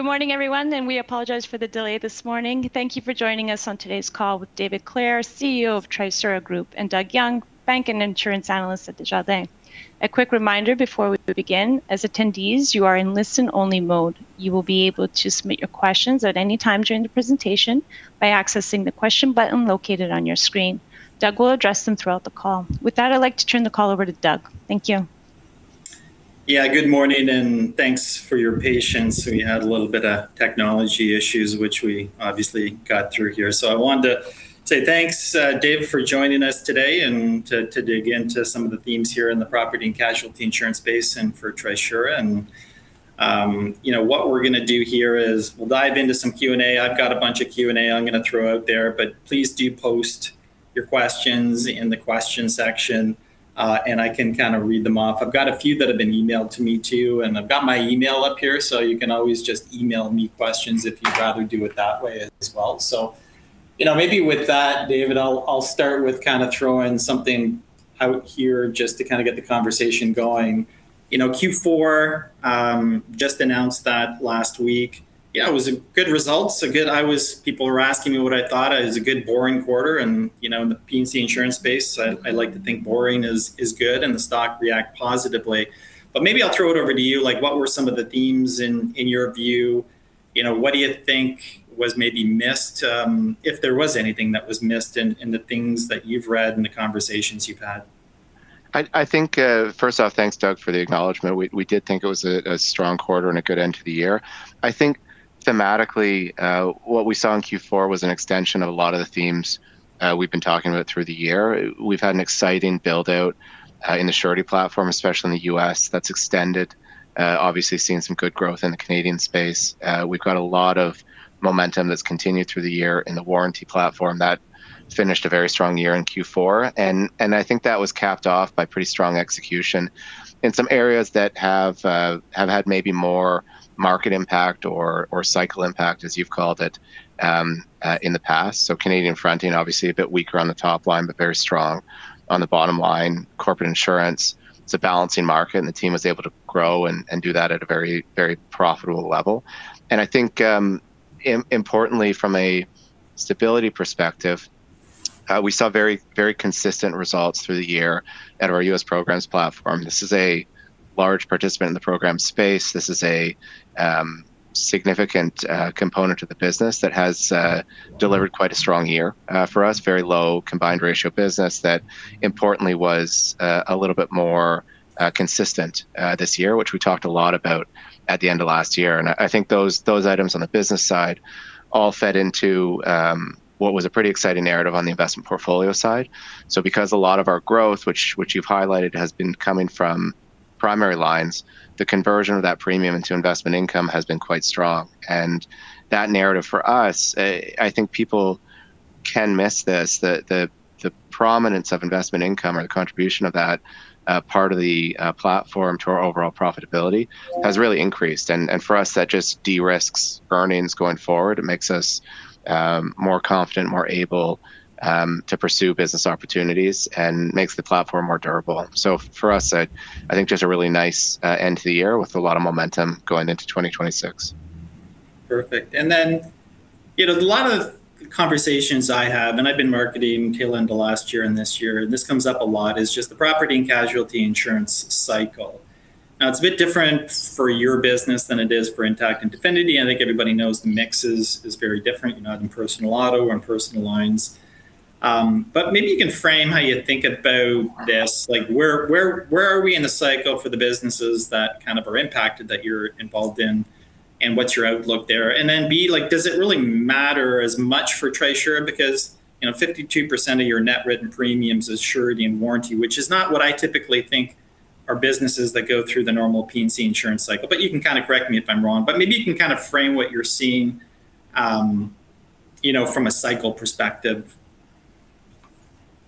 Good morning, everyone, and we apologize for the delay this morning. Thank you for joining us on today's call with David Clare, CEO of Trisura Group, and Doug Young, Bank and Insurance analyst at Desjardins. A quick reminder before we begin, as attendees, you are in listen-only mode. You will be able to submit your questions at any time during the presentation by accessing the question button located on your screen. Doug will address them throughout the call. With that, I'd like to turn the call over to Doug. Thank you. Yeah, good morning, and thanks for your patience. We had a little bit of technology issues, which we obviously got through here. So I wanted to say thanks, Dave, for joining us today and to dig into some of the themes here in the property and casualty insurance space and for Trisura. And, you know, what we're gonna do here is we'll dive into some Q&A. I've got a bunch of Q&A I'm gonna throw out there, but please do post your questions in the questions section, and I can kinda read them off. I've got a few that have been emailed to me, too, and I've got my email up here, so you can always just email me questions if you'd rather do it that way as well. So, you know, maybe with that, David, I'll, I'll start with kinda throwing something out here just to kinda get the conversation going. You know, Q4 just announced that last week. Yeah, it was a good result, so good. People were asking me what I thought. It was a good boring quarter and, you know, in the P&C insurance space, I, I like to think boring is, is good, and the stock react positively. But maybe I'll throw it over to you, like, what were some of the themes in, in your view? You know, what do you think was maybe missed, if there was anything that was missed in, in the things that you've read in the conversations you've had? I think, first off, thanks, Doug, for the acknowledgment. We did think it was a strong quarter and a good end to the year. I think thematically, what we saw in Q4 was an extension of a lot of the themes we've been talking about through the year. We've had an exciting build-out in the surety platform, especially in the US, that's extended, obviously seeing some good growth in the Canadian space. We've got a lot of momentum that's continued through the year in the warranty platform that finished a very strong year in Q4, and I think that was capped off by pretty strong execution. In some areas that have had maybe more market impact or cycle impact, as you've called it, in the past. So Canadian fronting, obviously a bit weaker on the top line, but very strong on the bottom line. Corporate insurance, it's a balancing market, and the team was able to grow and do that at a very, very profitable level. And I think, importantly, from a stability perspective, we saw very, very consistent results through the year at our US programs platform. This is a large participant in the program space. This is a significant component of the business that has delivered quite a strong year. For us, very low combined ratio business that importantly was a little bit more consistent this year, which we talked a lot about at the end of last year. I think those items on the business side all fed into what was a pretty exciting narrative on the investment portfolio side. So because a lot of our growth, which you've highlighted, has been coming from primary lines, the conversion of that premium into investment income has been quite strong. And that narrative for us, I think people can miss this, the prominence of investment income or the contribution of that part of the platform to our overall profitability has really increased, and for us, that just de-risks earnings going forward. It makes us more confident, more able to pursue business opportunities and makes the platform more durable. So for us, I think just a really nice end to the year with a lot of momentum going into 2026. Perfect. And then, you know, a lot of conversations I have, and I've been marketing tail end of last year and this year, and this comes up a lot, is just the property and casualty insurance cycle. Now, it's a bit different for your business than it is for Intact and Definity. I think everybody knows the mixes is very different, you're not in personal auto or in personal lines. But maybe you can frame how you think about this, like, where, where, where are we in the cycle for the businesses that kind of are impacted, that you're involved in, and what's your outlook there? And then, B, like, does it really matter as much for Trisura because, you know, 52% of your net written premiums is surety and warranty, which is not what I typically think are businesses that go through the normal P&C insurance cycle. You can kinda correct me if I'm wrong, but maybe you can kinda frame what you're seeing, you know, from a cycle perspective.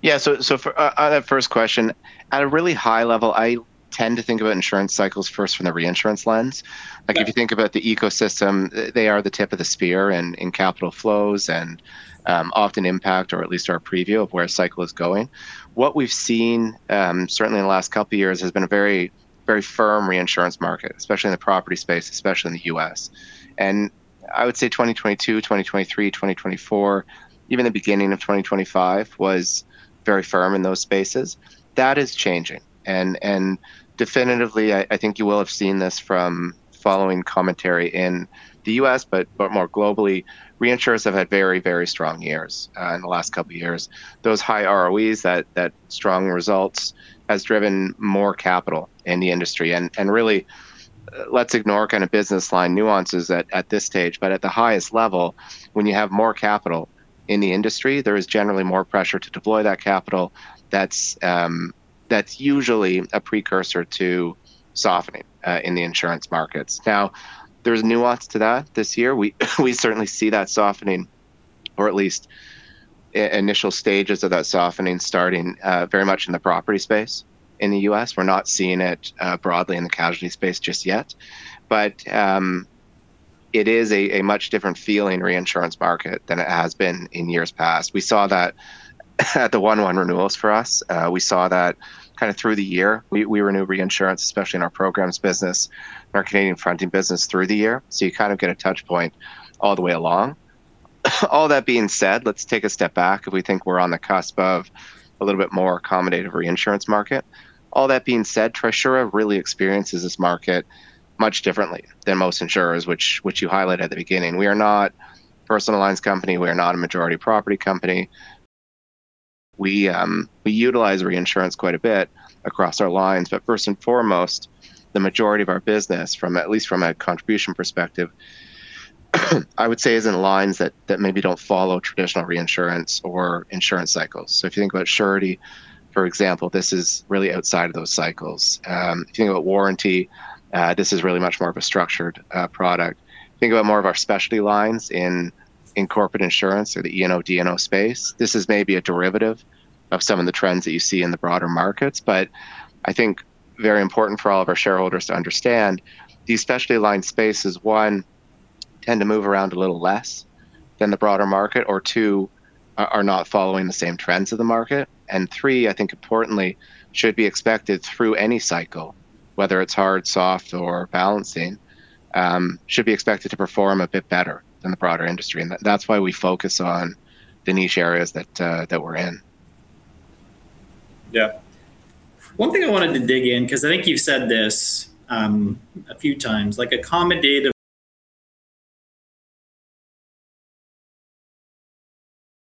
Yeah, so for that first question, at a really high level, I tend to think about insurance cycles first from the reinsurance lens. Yeah. Like, if you think about the ecosystem, they are the tip of the spear and in capital flows and often impact or at least are a preview of where a cycle is going. What we've seen, certainly in the last couple of years, has been a very, very firm reinsurance market, especially in the property space, especially in the U.S. And I would say 2022, 2023, 2024, even the beginning of 2025 was very firm in those spaces. That is changing, and definitively, I think you will have seen this from following commentary in the U.S., but more globally, reinsurers have had very, very strong years in the last couple of years. Those high ROEs, that strong results, has driven more capital in the industry. Really, let's ignore kinda business line nuances at this stage, but at the highest level, when you have more capital in the industry, there is generally more pressure to deploy that capital. That's usually a precursor to softening in the insurance markets. Now, there's nuance to that this year. We certainly see that softening or at least initial stages of that softening starting very much in the property space in the US. We're not seeing it broadly in the casualty space just yet, but it is a much different feeling reinsurance market than it has been in years past. We saw that at the 1/1 renewals for us. We saw that kind of through the year. We renew reinsurance, especially in our programs business and our Canadian fronting business through the year. So you kind of get a touch point all the way along. All that being said, let's take a step back. We think we're on the cusp of a little bit more accommodative reinsurance market. All that being said, Trisura really experiences this market much differently than most insurers, which, which you highlighted at the beginning. We are not personal lines company, we are not a majority property company. We, we utilize reinsurance quite a bit across our lines. But first and foremost, the majority of our business, from at least from a contribution perspective, I would say, is in lines that, that maybe don't follow traditional reinsurance or insurance cycles. So if you think about surety, for example, this is really outside of those cycles. If you think about warranty, this is really much more of a structured product. Think about more of our specialty lines in corporate insurance or the E&O/D&O space. This is maybe a derivative of some of the trends that you see in the broader markets, but I think very important for all of our shareholders to understand, these specialty line spaces, one, tend to move around a little less than the broader market, or two, are not following the same trends of the market. And three, I think importantly, should be expected through any cycle, whether it's hard, soft, or balancing, should be expected to perform a bit better than the broader industry. And that's why we focus on the niche areas that we're in. Yeah. One thing I wanted to dig in, 'cause I think you've said this, a few times, like accommodative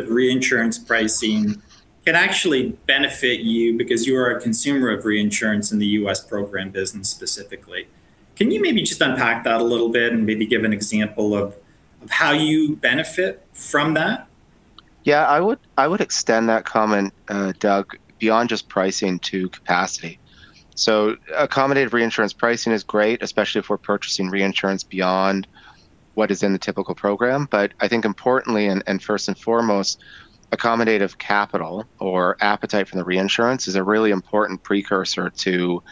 reinsurance pricing can actually benefit you because you are a consumer of reinsurance in the U.S. program business specifically. Can you maybe just unpack that a little bit and maybe give an example of how you benefit from that? Yeah, I would, I would extend that comment, Doug, beyond just pricing to capacity. So accommodative reinsurance pricing is great, especially if we're purchasing reinsurance beyond what is in the typical program. But I think importantly and first and foremost, accommodative capital or appetite from the reinsurance is a really important precursor to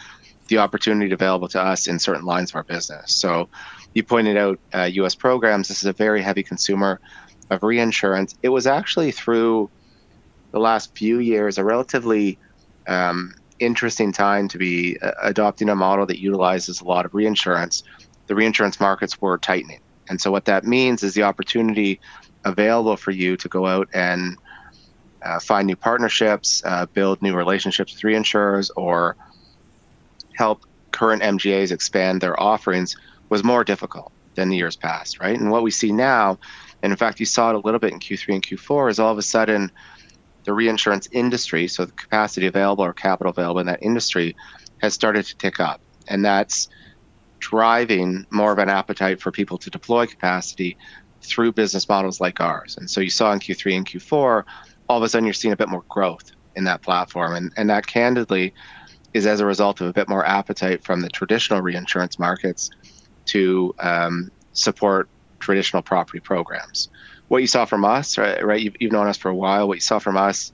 the opportunity available to us in certain lines of our business. So you pointed out, U.S. programs. This is a very heavy consumer of reinsurance. It was actually through the last few years, a relatively interesting time to be adopting a model that utilizes a lot of reinsurance. The reinsurance markets were tightening, and so what that means is the opportunity available for you to go out and find new partnerships, build new relationships with reinsurers, or help current MGAs expand their offerings, was more difficult than the years past, right? And what we see now, and in fact, you saw it a little bit in Q3 and Q4, is all of a sudden the reinsurance industry, so the capacity available or capital available in that industry, has started to tick up, and that's driving more of an appetite for people to deploy capacity through business models like ours. And so you saw in Q3 and Q4, all of a sudden you're seeing a bit more growth in that platform. And that, candidly, is as a result of a bit more appetite from the traditional reinsurance markets to support traditional property programs. What you saw from us. You've known us for a while. What you saw from us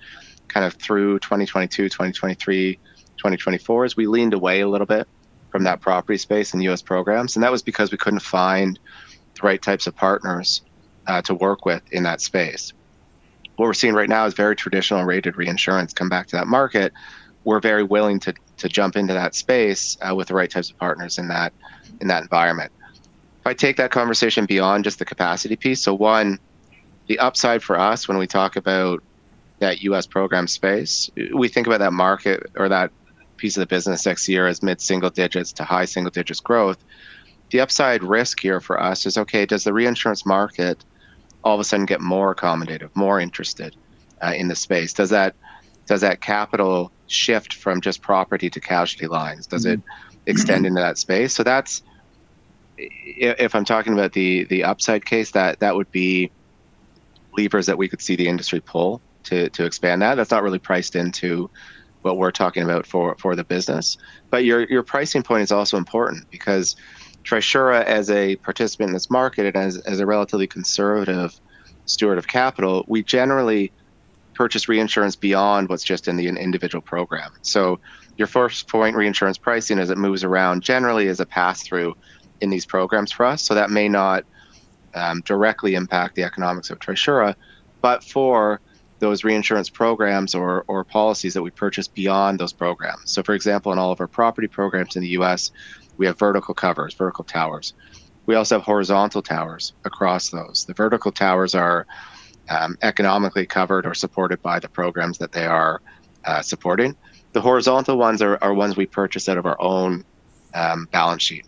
kind of through 2022, 2023, 2024, is we leaned away a little bit from that property space in the U.S. programs, and that was because we couldn't find the right types of partners to work with in that space. What we're seeing right now is very traditional and rated reinsurance come back to that market. We're very willing to jump into that space with the right types of partners in that environment. If I take that conversation beyond just the capacity piece, so one, the upside for us when we talk about that U.S. program space, we think about that market or that piece of the business next year as mid-single digits to high single digits growth. The upside risk here for us is, okay, does the reinsurance market all of a sudden get more accommodative, more interested, in the space? Does that, does that capital shift from just property to casualty lines? Does it extend into that space? So that's if I'm talking about the upside case, that would be levers that we could see the industry pull to expand that. That's not really priced into what we're talking about for the business. But your pricing point is also important because Trisura, as a participant in this market and as a relatively conservative steward of capital, we generally purchase reinsurance beyond what's just in the individual program. So your first point, reinsurance pricing, as it moves around, generally is a pass-through in these programs for us. So that may not directly impact the economics of Trisura, but for those reinsurance programs or policies that we purchase beyond those programs. So for example, in all of our property programs in the U.S., we have vertical covers, vertical towers. We also have horizontal towers across those. The vertical towers are, economically covered or supported by the programs that they are, supporting. The horizontal ones are ones we purchase out of our own, balance sheet,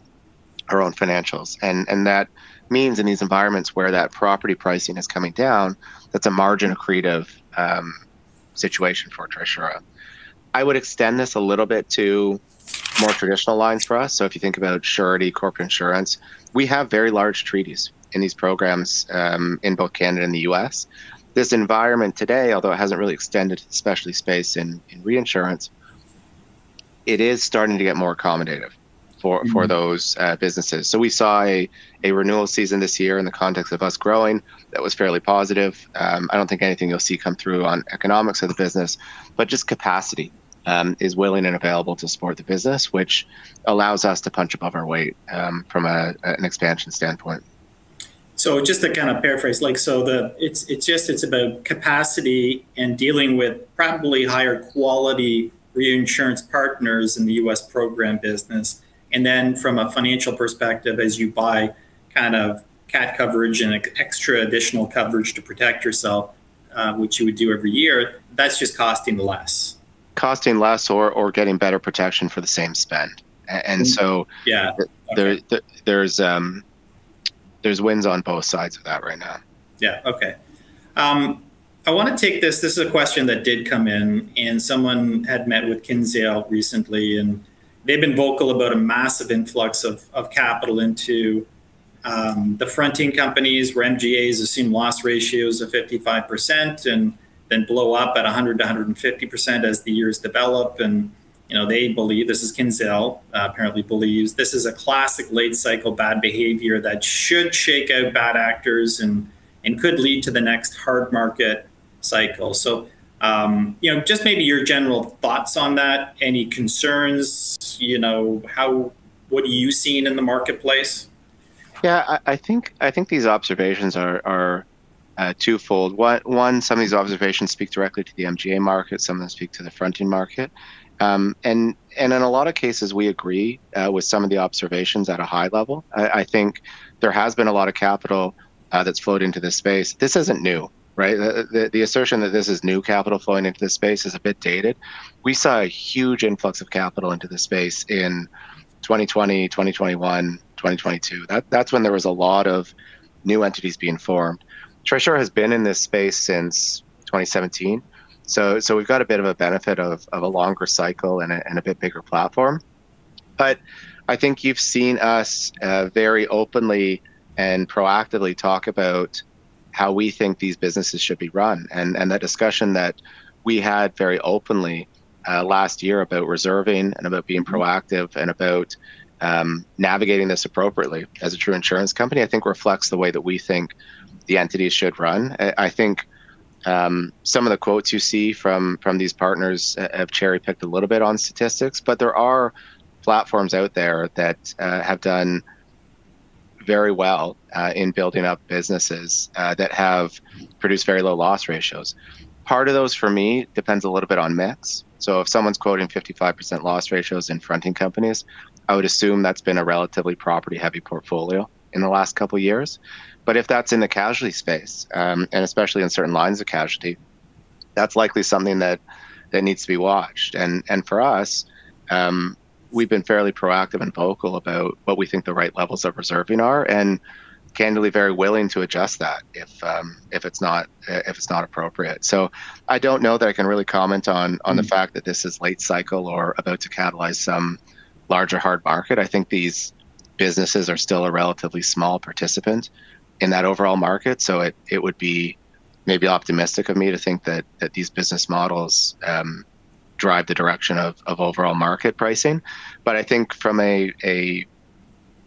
our own financials. And that means in these environments where that property pricing is coming down, that's a margin accretive, situation for Trisura. I would extend this a little bit to more traditional lines for us. So if you think about surety corporate insurance, we have very large treaties in these programs, in both Canada and the U.S.... This environment today, although it hasn't really extended to the specialty space in reinsurance, it is starting to get more accommodative for-Mm-hmm... for those businesses. So we saw a renewal season this year in the context of us growing that was fairly positive. I don't think anything you'll see come through on economics of the business, but just capacity is willing and available to support the business, which allows us to punch above our weight from an expansion standpoint.... so just to kind of paraphrase, like, it's just about capacity and dealing with probably higher quality reinsurance partners in the U.S. program business. And then from a financial perspective, as you buy kind of CAT coverage and extra additional coverage to protect yourself, which you would do every year, that's just costing less. Costing less or getting better protection for the same spend. And so- Yeah. There, there's wins on both sides of that right now. Yeah. Okay. I wanna take this, this is a question that did come in, and someone had met with Kinsale recently, and they've been vocal about a massive influx of capital into the fronting companies where MGAs assume loss ratios of 55% and then blow up at 100%-150% as the years develop. And, you know, they believe, this is Kinsale, apparently believes this is a classic late cycle bad behavior that should shake out bad actors and could lead to the next hard market cycle. So, you know, just maybe your general thoughts on that. Any concerns? You know, how—what are you seeing in the marketplace? Yeah, I think these observations are twofold. One, some of these observations speak directly to the MGA market, some of them speak to the fronting market. And in a lot of cases, we agree with some of the observations at a high level. I think there has been a lot of capital that's flowed into this space. This isn't new, right? The assertion that this is new capital flowing into this space is a bit dated. We saw a huge influx of capital into this space in 2020, 2021, 2022. That's when there was a lot of new entities being formed. Trisura has been in this space since 2017, so we've got a bit of a benefit of a longer cycle and a bit bigger platform. But I think you've seen us very openly and proactively talk about how we think these businesses should be run, and that discussion that we had very openly last year about reserving and about being proactive and about navigating this appropriately as a true insurance company. I think reflects the way that we think the entities should run. I think some of the quotes you see from these partners have cherry-picked a little bit on statistics, but there are platforms out there that have done very well in building up businesses that have produced very low loss ratios. Part of those, for me, depends a little bit on mix. So if someone's quoting 55% loss ratios in fronting companies, I would assume that's been a relatively property-heavy portfolio in the last couple of years. But if that's in the casualty space, and especially in certain lines of casualty, that's likely something that needs to be watched. And for us, we've been fairly proactive and vocal about what we think the right levels of reserving are, and candidly very willing to adjust that if it's not appropriate. So I don't know that I can really comment on the fact-... that this is late cycle or about to catalyze some larger hard market. I think these businesses are still a relatively small participant in that overall market, so it would be maybe optimistic of me to think that these business models drive the direction of overall market pricing. But I think from a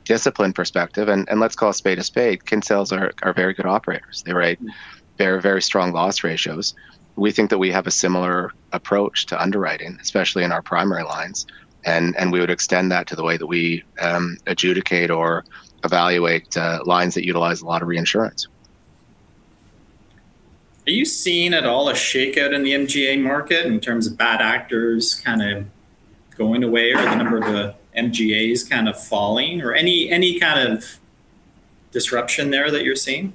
discipline perspective, and let's call a spade a spade, Kinsale are very good operators. They write very, very strong loss ratios. We think that we have a similar approach to underwriting, especially in our primary lines, and we would extend that to the way that we adjudicate or evaluate lines that utilize a lot of reinsurance. Are you seeing at all a shakeout in the MGA market in terms of bad actors kind of going away, or the number of the MGAs kind of falling, or any, any kind of disruption there that you're seeing?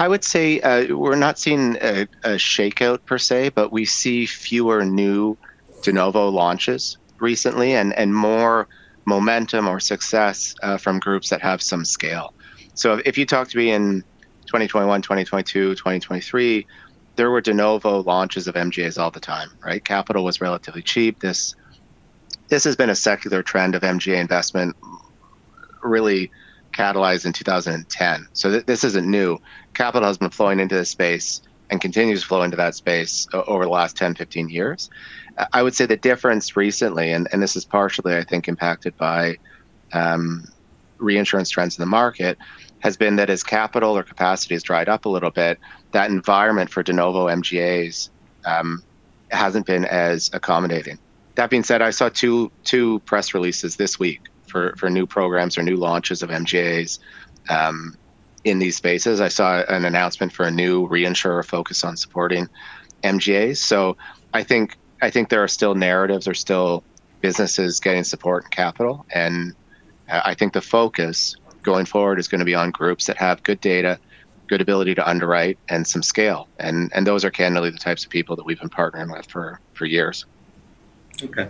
I would say, we're not seeing a shakeout per se, but we see fewer new de novo launches recently, and more momentum or success from groups that have some scale. So if you talked to me in 2021, 2022, 2023, there were de novo launches of MGAs all the time, right? Capital was relatively cheap. This has been a secular trend of MGA investment really catalyzed in 2010. So this isn't new. Capital has been flowing into this space and continues to flow into that space over the last 10, 15 years. I would say the difference recently, and this is partially, I think, impacted by reinsurance trends in the market, has been that as capital or capacity has dried up a little bit, that environment for de novo MGAs hasn't been as accommodating. That being said, I saw two press releases this week for new programs or new launches of MGAs in these spaces. I saw an announcement for a new reinsurer focused on supporting MGAs. So I think there are still narratives, there are still businesses getting support and capital, and I think the focus going forward is gonna be on groups that have good data, good ability to underwrite, and some scale. And those are candidly the types of people that we've been partnering with for years. Okay.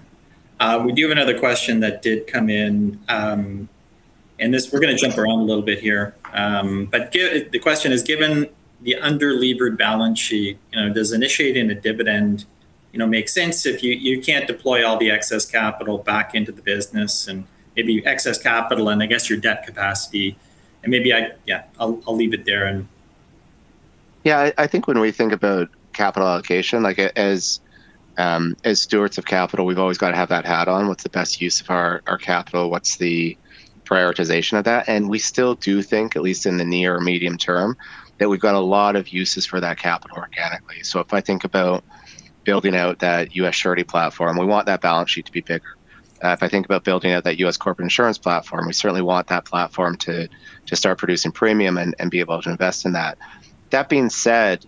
We do have another question that did come in. We're gonna jump around a little bit here. The question is: Given the underlevered balance sheet, you know, does initiating a dividend, you know, make sense if you can't deploy all the excess capital back into the business, and maybe excess capital and I guess your debt capacity? Yeah, I'll leave it there, end... Yeah, I think when we think about capital allocation, like, as stewards of capital, we've always got to have that hat on. What's the best use of our capital? What's the prioritization of that? And we still do think, at least in the near or medium term, that we've got a lot of uses for that capital organically. So if I think about building out that U.S. surety platform, we want that balance sheet to be bigger. If I think about building out that U.S. corporate insurance platform, we certainly want that platform to start producing premium and be able to invest in that. That being said.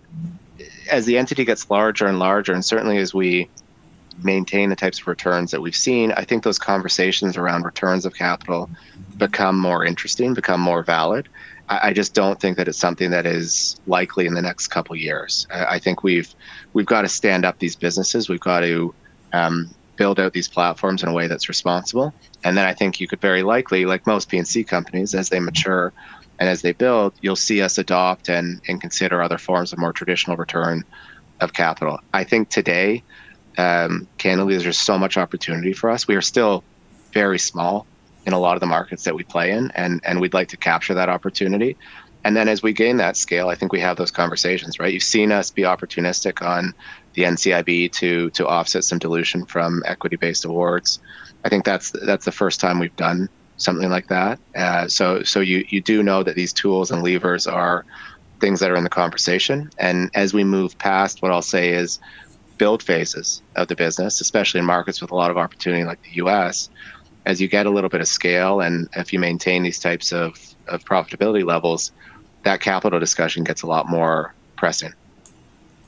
As the entity gets larger and larger, and certainly as we maintain the types of returns that we've seen, I think those conversations around returns of capital become more interesting, become more valid. I, I just don't think that it's something that is likely in the next couple of years. I think we've, we've got to stand up these businesses. We've got to build out these platforms in a way that's responsible, and then I think you could very likely, like most P&C companies, as they mature and as they build, you'll see us adopt and, and consider other forms of more traditional return of capital. I think today, candidly, there's just so much opportunity for us. We are still very small in a lot of the markets that we play in, and, and we'd like to capture that opportunity. And then as we gain that scale, I think we have those conversations, right? You've seen us be opportunistic on the NCIB to, to offset some dilution from equity-based awards. I think that's the first time we've done something like that. So you do know that these tools and levers are things that are in the conversation, and as we move past what I'll say is build phases of the business, especially in markets with a lot of opportunity like the U.S., as you get a little bit of scale, and if you maintain these types of profitability levels, that capital discussion gets a lot more pressing.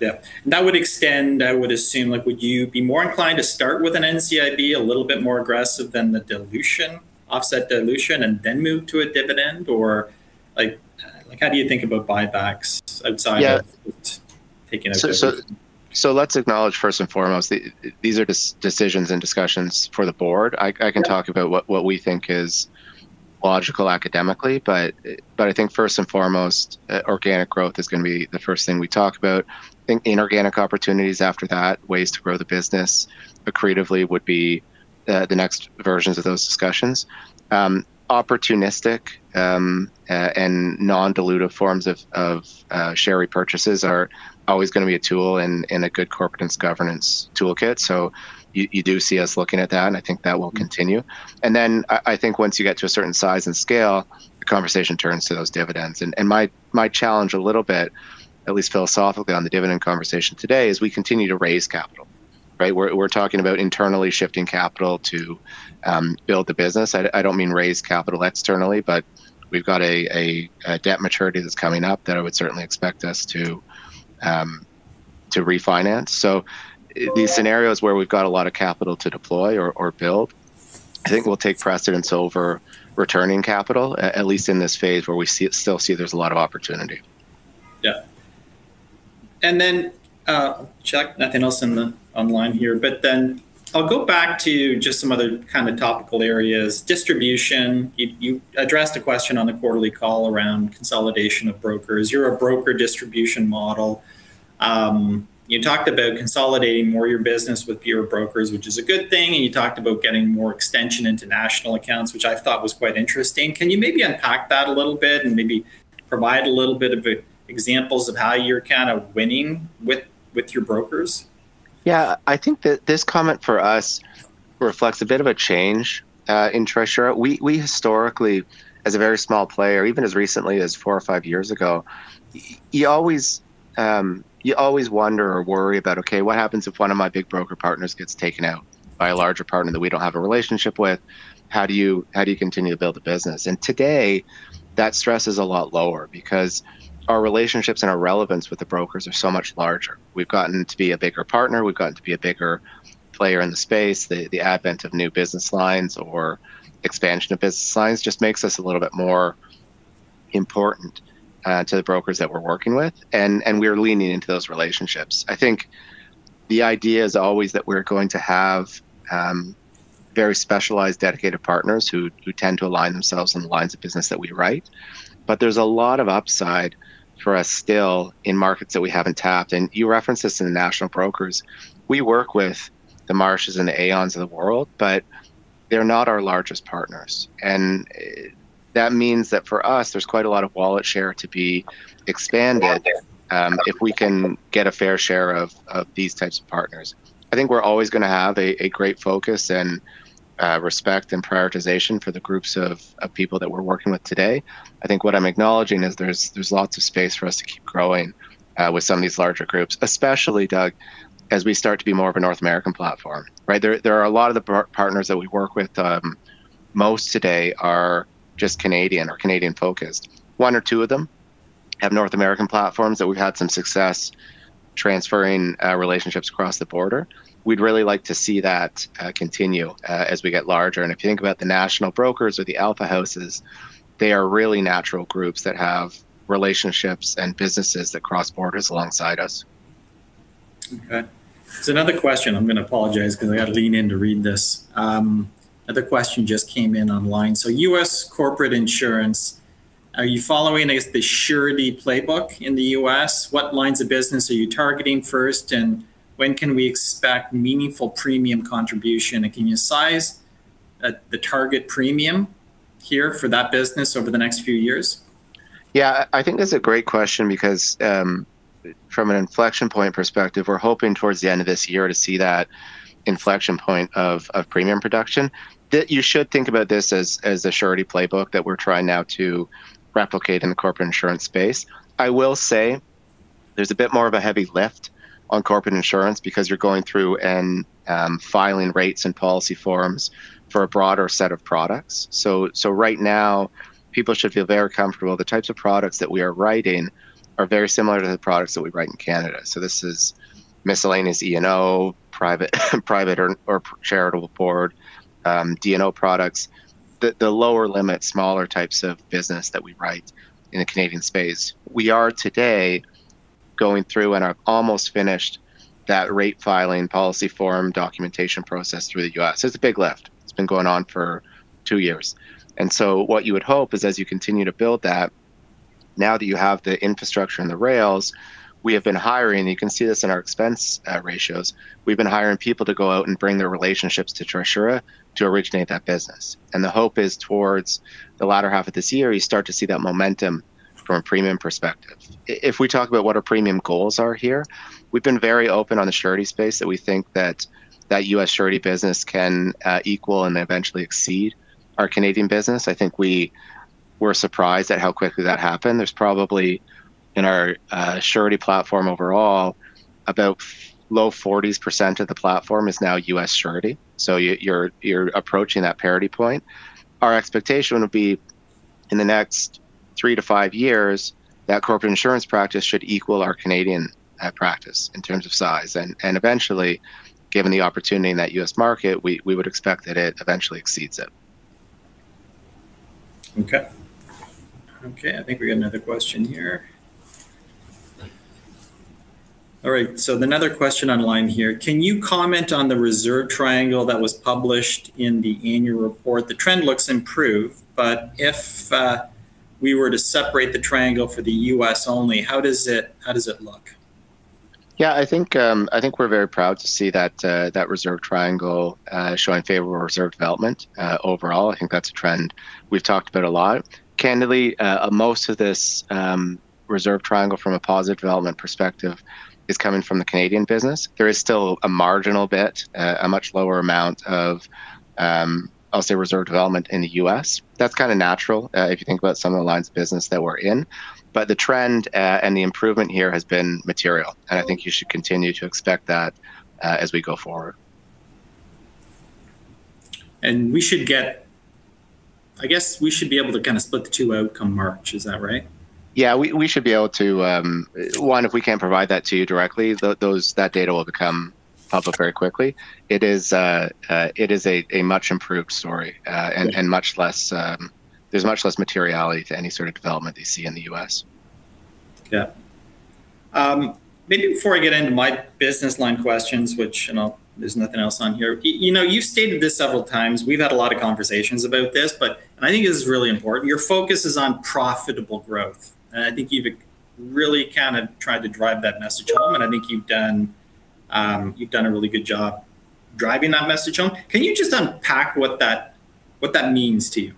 Yeah. That would extend, I would assume, like, would you be more inclined to start with an NCIB a little bit more aggressive than the dilution-offset dilution, and then move to a dividend? Or, like, how do you think about buybacks outside of- Yeah Taking a dividend? So let's acknowledge first and foremost, these are decisions and discussions for the board. Yeah. I can talk about what we think is logical academically, but I think first and foremost, organic growth is gonna be the first thing we talk about. I think inorganic opportunities after that, ways to grow the business creatively would be the next versions of those discussions. Opportunistic and non-dilutive forms of share repurchases are always gonna be a tool in a good corporate and governance toolkit. So you do see us looking at that, and I think that will continue. And then I think once you get to a certain size and scale, the conversation turns to those dividends. And my challenge a little bit, at least philosophically on the dividend conversation today, is we continue to raise capital, right? We're talking about internally shifting capital to build the business. I don't mean raise capital externally, but we've got a debt maturity that's coming up that I would certainly expect us to refinance. So these scenarios where we've got a lot of capital to deploy or build, I think will take precedence over returning capital, at least in this phase where we still see there's a lot of opportunity. Yeah. And then, but then I'll go back to just some other kind of topical areas. Distribution, you addressed a question on the quarterly call around consolidation of brokers. You're a broker distribution model. You talked about consolidating more of your business with your brokers, which is a good thing, and you talked about getting more extension into national accounts, which I thought was quite interesting. Can you maybe unpack that a little bit and maybe provide a little bit of examples of how you're kind of winning with your brokers? Yeah. I think that this comment for us reflects a bit of a change in Trisura. We historically, as a very small player, even as recently as four or five years ago, you always, You always wonder or worry about, okay, what happens if one of my big broker partners gets taken out by a larger partner that we don't have a relationship with? How do you, how do you continue to build a business? And today, that stress is a lot lower because our relationships and our relevance with the brokers are so much larger. We've gotten to be a bigger partner. We've gotten to be a bigger player in the space. The advent of new business lines or expansion of business lines just makes us a little bit more important to the brokers that we're working with, and we are leaning into those relationships. I think the idea is always that we're going to have very specialized, dedicated partners who tend to align themselves in the lines of business that we write. But there's a lot of upside for us still in markets that we haven't tapped, and you referenced this to the national brokers. We work with the Marshes and the Aons of the world, but they're not our largest partners, and that means that for us, there's quite a lot of wallet share to be expanded if we can get a fair share of these types of partners. I think we're always gonna have a great focus and respect and prioritization for the groups of people that we're working with today. I think what I'm acknowledging is there's lots of space for us to keep growing with some of these larger groups, especially, Doug, as we start to be more of a North American platform, right? There are a lot of the partners that we work with, most today are just Canadian or Canadian-focused. One or two of them have North American platforms that we've had some success transferring relationships across the border. We'd really like to see that continue as we get larger. And if you think about the national brokers or the alpha houses, they are really natural groups that have relationships and businesses that cross borders alongside us. Okay. So another question, I'm gonna apologize because I gotta lean in to read this. Another question just came in online. So U.S. Corporate Insurance, are you following, I guess, the Surety playbook in the U.S.? What lines of business are you targeting first, and when can we expect meaningful premium contribution? And can you size, the target premium here for that business over the next few years? Yeah, I think that's a great question because, from an inflection point perspective, we're hoping towards the end of this year to see that inflection point of premium production. You should think about this as a surety playbook that we're trying now to replicate in the corporate insurance space. I will say there's a bit more of a heavy lift on corporate insurance because you're going through and filing rates and policy forms for a broader set of products. So right now, people should feel very comfortable. The types of products that we are writing are very similar to the products that we write in Canada. So this is miscellaneous E&O, private or charitable board D&O products, the lower limit, smaller types of business that we write in the Canadian space. We are today going through and are almost finished that rate filing policy form documentation process through the U.S.. It's a big lift. It's been going on for two years. And so what you would hope is as you continue to build that, now that you have the infrastructure and the rails, we have been hiring, you can see this in our expense ratios. We've been hiring people to go out and bring their relationships to Trisura to originate that business, and the hope is towards the latter half of this year, you start to see that momentum from a premium perspective. If we talk about what our premium goals are here, we've been very open on the surety space that we think that, that U.S. surety business can, equal and eventually exceed our Canadian business. I think we were surprised at how quickly that happened. There's probably, in our surety platform overall, about low-40s% of the platform is now U.S. surety, so you're approaching that parity point. Our expectation would be in the next three-five years, that corporate insurance practice should equal our Canadian practice in terms of size, and eventually, given the opportunity in that U.S. market, we would expect that it eventually exceeds it. Okay. Okay, I think we got another question here. All right, so another question online here: "Can you comment on the reserve triangle that was published in the annual report? The trend looks improved, but if we were to separate the triangle for the U.S. only, how does it, how does it look? Yeah, I think, I think we're very proud to see that that reserve triangle showing favorable reserve development. Overall, I think that's a trend we've talked about a lot. Candidly, most of this reserve triangle from a positive development perspective is coming from the Canadian business. There is still a marginal bit, a much lower amount of, I'll say, reserve development in the U.S. That's kind of natural, if you think about some of the lines of business that we're in, but the trend, and the improvement here has been material, and I think you should continue to expect that, as we go forward. I guess we should be able to kind of split the two out come March, is that right? Yeah, we should be able to. If we can't provide that to you directly, that data will become public very quickly. It is a much improved story, and much less, there's much less materiality to any sort of development you see in the U.S.. Yeah. Maybe before I get into my business line questions, which, you know, there's nothing else on here. You know, you've stated this several times, we've had a lot of conversations about this, but, and I think this is really important, your focus is on profitable growth, and I think you've really kind of tried to drive that message home, and I think you've done, you've done a really good job driving that message home. Can you just unpack what that, what that means to you?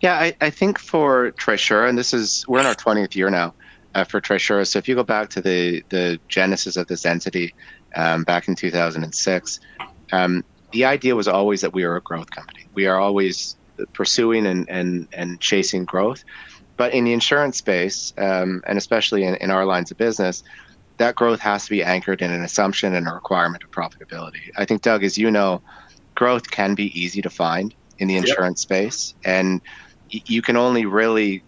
Yeah, I think for Trisura, and this is—we're in our 20th year now for Trisura. So if you go back to the genesis of this entity, back in 2006, the idea was always that we are a growth company. We are always pursuing and chasing growth. But in the insurance space, and especially in our lines of business, that growth has to be anchored in an assumption and a requirement of profitability. I think, Doug, as you know, growth can be easy to find in the- Yep... insurance space, and you can only really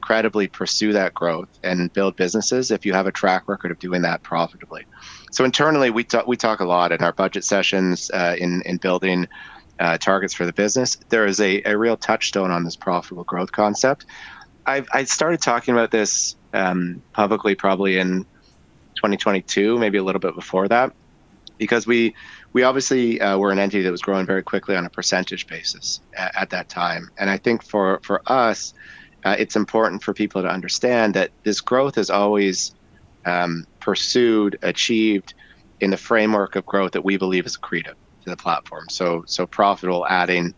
credibly pursue that growth and build businesses if you have a track record of doing that profitably. So internally, we talk a lot in our budget sessions in building targets for the business. There is a real touchstone on this profitable growth concept. I started talking about this publicly, probably in 2022, maybe a little bit before that, because we obviously were an entity that was growing very quickly on a percentage basis at that time. And I think for us, it's important for people to understand that this growth is always pursued, achieved in the framework of growth that we believe is accretive to the platform. So profitable, adding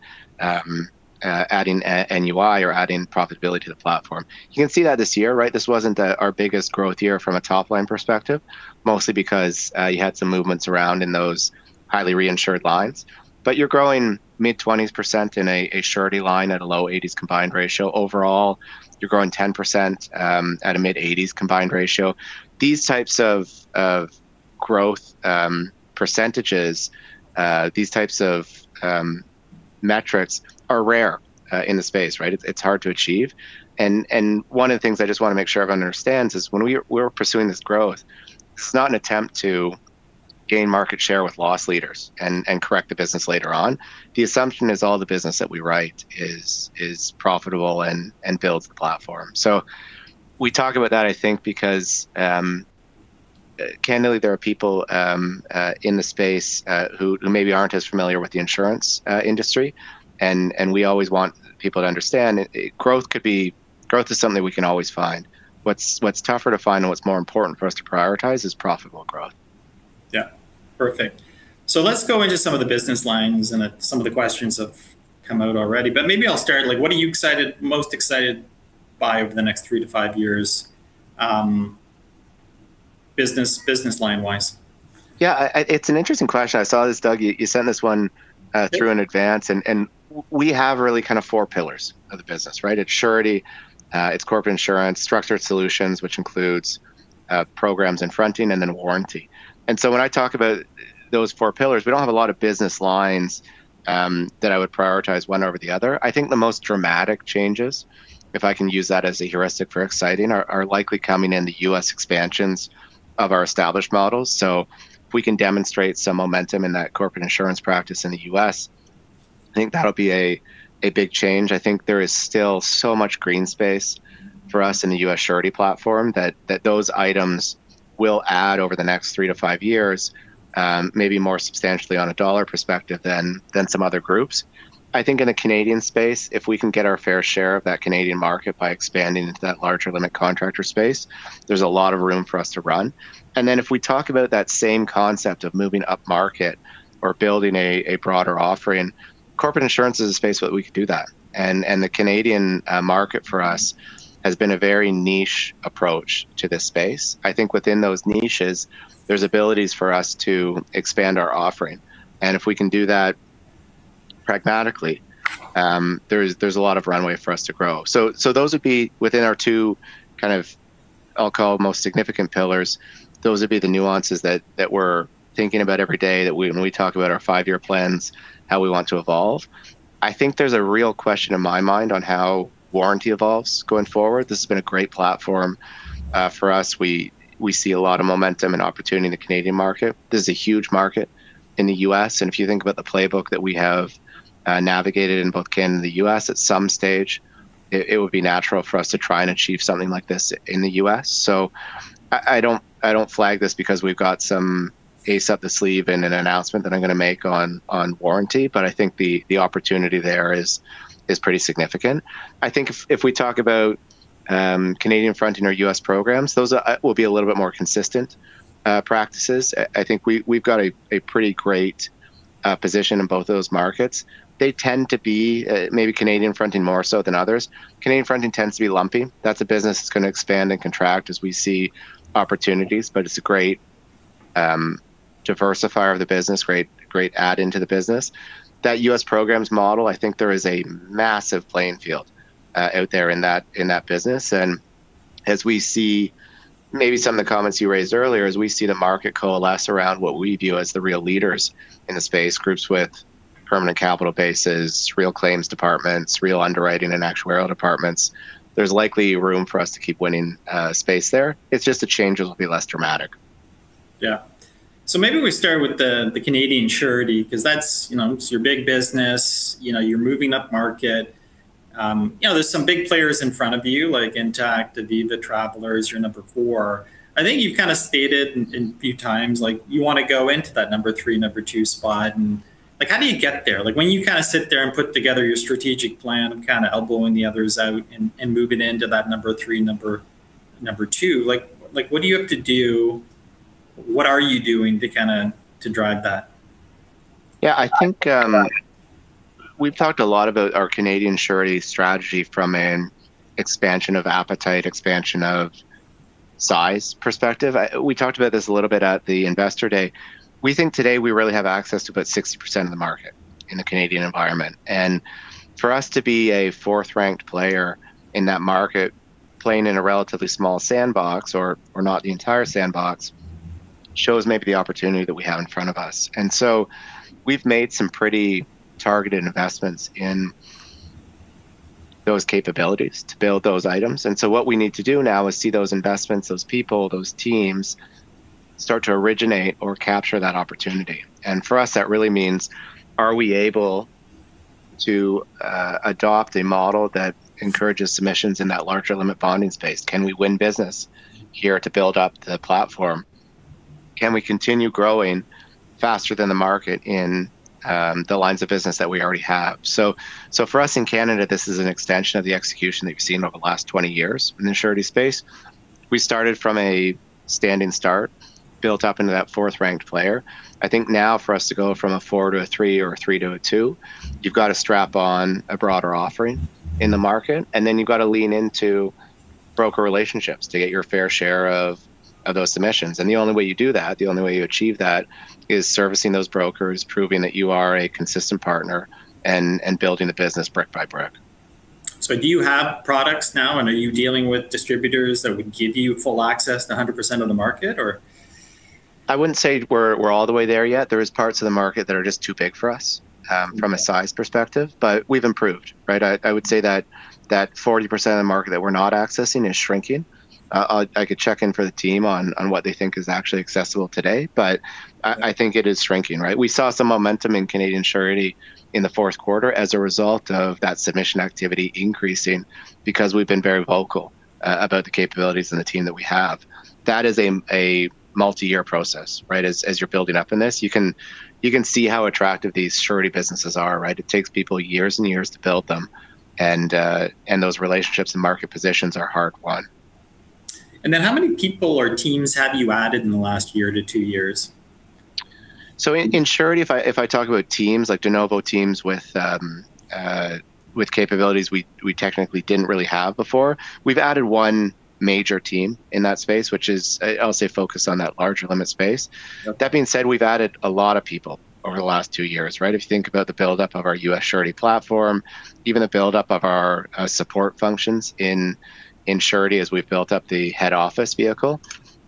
a NUI or adding profitability to the platform. You can see that this year, right? This wasn't our biggest growth year from a top-line perspective, mostly because you had some movements around in those highly reinsured lines, but you're growing mid-20s% in a surety line at a low 80s combined ratio. Overall, you're growing 10% at a mid-80s combined ratio. These types of growth percentages, these types of metrics are rare in the space, right? It's hard to achieve. And one of the things I just want to make sure everyone understands is when we're pursuing this growth, it's not an attempt to gain market share with loss leaders and correct the business later on. The assumption is all the business that we write is profitable and builds the platform. So we talk about that, I think, because candidly, there are people in the space who maybe aren't as familiar with the insurance industry, and we always want people to understand growth could be - growth is something we can always find. What's tougher to find and what's more important for us to prioritize is profitable growth. Yeah, perfect. So let's go into some of the business lines, and some of the questions have come out already. But maybe I'll start, like, what are you excited, most excited by over the next three-five years, business, business line-wise?... Yeah, I it's an interesting question. I saw this, Doug, you sent this one through in advance, and we have really kind of four pillars of the business, right? It's surety, it's corporate insurance, structured solutions, which includes programs and fronting, and then warranty. And so when I talk about those four pillars, we don't have a lot of business lines that I would prioritize one over the other. I think the most dramatic changes, if I can use that as a heuristic for exciting, are likely coming in the U.S. expansions of our established models. So if we can demonstrate some momentum in that corporate insurance practice in the U.S., I think that'll be a big change. I think there is still so much green space for us in the U.S. surety platform that those items will add over the next three-five years, maybe more substantially on a dollar perspective than some other groups. I think in the Canadian space, if we can get our fair share of that Canadian market by expanding into that larger limit contractor space, there's a lot of room for us to run. Then if we talk about that same concept of moving up market or building a broader offering, corporate insurance is a space where we could do that, and the Canadian market for us has been a very niche approach to this space. I think within those niches, there's abilities for us to expand our offering, and if we can do that pragmatically, there's a lot of runway for us to grow. So those would be within our two kind of, I'll call most significant pillars, those would be the nuances that we're thinking about every day, when we talk about our five-year plans, how we want to evolve. I think there's a real question in my mind on how Warranty evolves going forward. This has been a great platform for us. We see a lot of momentum and opportunity in the Canadian market. This is a huge market in the U.S., and if you think about the playbook that we have navigated in both Canada and the U.S., at some stage, it would be natural for us to try and achieve something like this in the U.S.. So I don't flag this because we've got some ace up the sleeve in an announcement that I'm gonna make on warranty, but I think the opportunity there is pretty significant. I think if we talk about Canadian fronting or U.S. programs, those will be a little bit more consistent practices. I think we've got a pretty great position in both of those markets. They tend to be, maybe Canadian fronting more so than others. Canadian fronting tends to be lumpy. That's a business that's gonna expand and contract as we see opportunities, but it's a great, diversifier of the business, great, great add into the business. That U.S. programs model, I think there is a massive playing field, out there in that, in that business, and as we see maybe some of the comments you raised earlier, as we see the market coalesce around what we view as the real leaders in the space, groups with permanent capital bases, real claims departments, real underwriting and actuarial departments, there's likely room for us to keep winning, space there. It's just the change will be less dramatic. Yeah. So maybe we start with the Canadian surety 'cause that's, you know, it's your big business, you know, you're moving up market. You know, there's some big players in front of you, like Intact, Aviva, Travelers, you're number four. I think you've kinda stated in a few times, like, you wanna go into that number three, number two spot, and like, how do you get there? Like, when you kinda sit there and put together your strategic plan of kinda elbowing the others out and moving into that number three, number two, like, what do you have to do? What are you doing to kinda to drive that? Yeah, I think, we've talked a lot about our Canadian surety strategy from an expansion of appetite, expansion of size perspective. We talked about this a little bit at the Investor Day. We think today we really have access to about 60% of the market in the Canadian environment. And for us to be a fourth-ranked player in that market, playing in a relatively small sandbox or, or not the entire sandbox, shows maybe the opportunity that we have in front of us. And so we've made some pretty targeted investments in those capabilities to build those items. And so what we need to do now is see those investments, those people, those teams start to originate or capture that opportunity. And for us, that really means are we able to adopt a model that encourages submissions in that larger limit bonding space? Can we win business here to build up the platform? Can we continue growing faster than the market in the lines of business that we already have? So, so for us in Canada, this is an extension of the execution that you've seen over the last 20 years in the surety space. We started from a standing start, built up into that fourth-ranked player. I think now for us to go from a four to a three or a three to a two, you've got to strap on a broader offering in the market, and then you've got to lean into broker relationships to get your fair share of those submissions. And the only way you do that, the only way you achieve that, is servicing those brokers, proving that you are a consistent partner and building the business brick by brick. Do you have products now, and are you dealing with distributors that would give you full access to 100% of the market or? I wouldn't say we're all the way there yet. There are parts of the market that are just too big for us. Okay... from a size perspective, but we've improved, right? I would say that 40% of the market that we're not accessing is shrinking. I could check in for the team on what they think is actually accessible today, but I think it is shrinking, right? We saw some momentum in Canadian Surety in the fourth quarter as a result of that submission activity increasing because we've been very vocal about the capabilities and the team that we have. That is a multi-year process, right? As you're building up in this, you can see how attractive these surety businesses are, right? It takes people years and years to build them, and those relationships and market positions are hard-won. How many people or teams have you added in the last year to two years?... So in surety, if I talk about teams, like de novo teams with capabilities we technically didn't really have before, we've added one major team in that space, which is, I'll say, focused on that larger limit space. Okay. That being said, we've added a lot of people over the last two years, right? If you think about the build-up of our U.S. surety platform, even the build-up of our support functions in surety as we've built up the head office vehicle.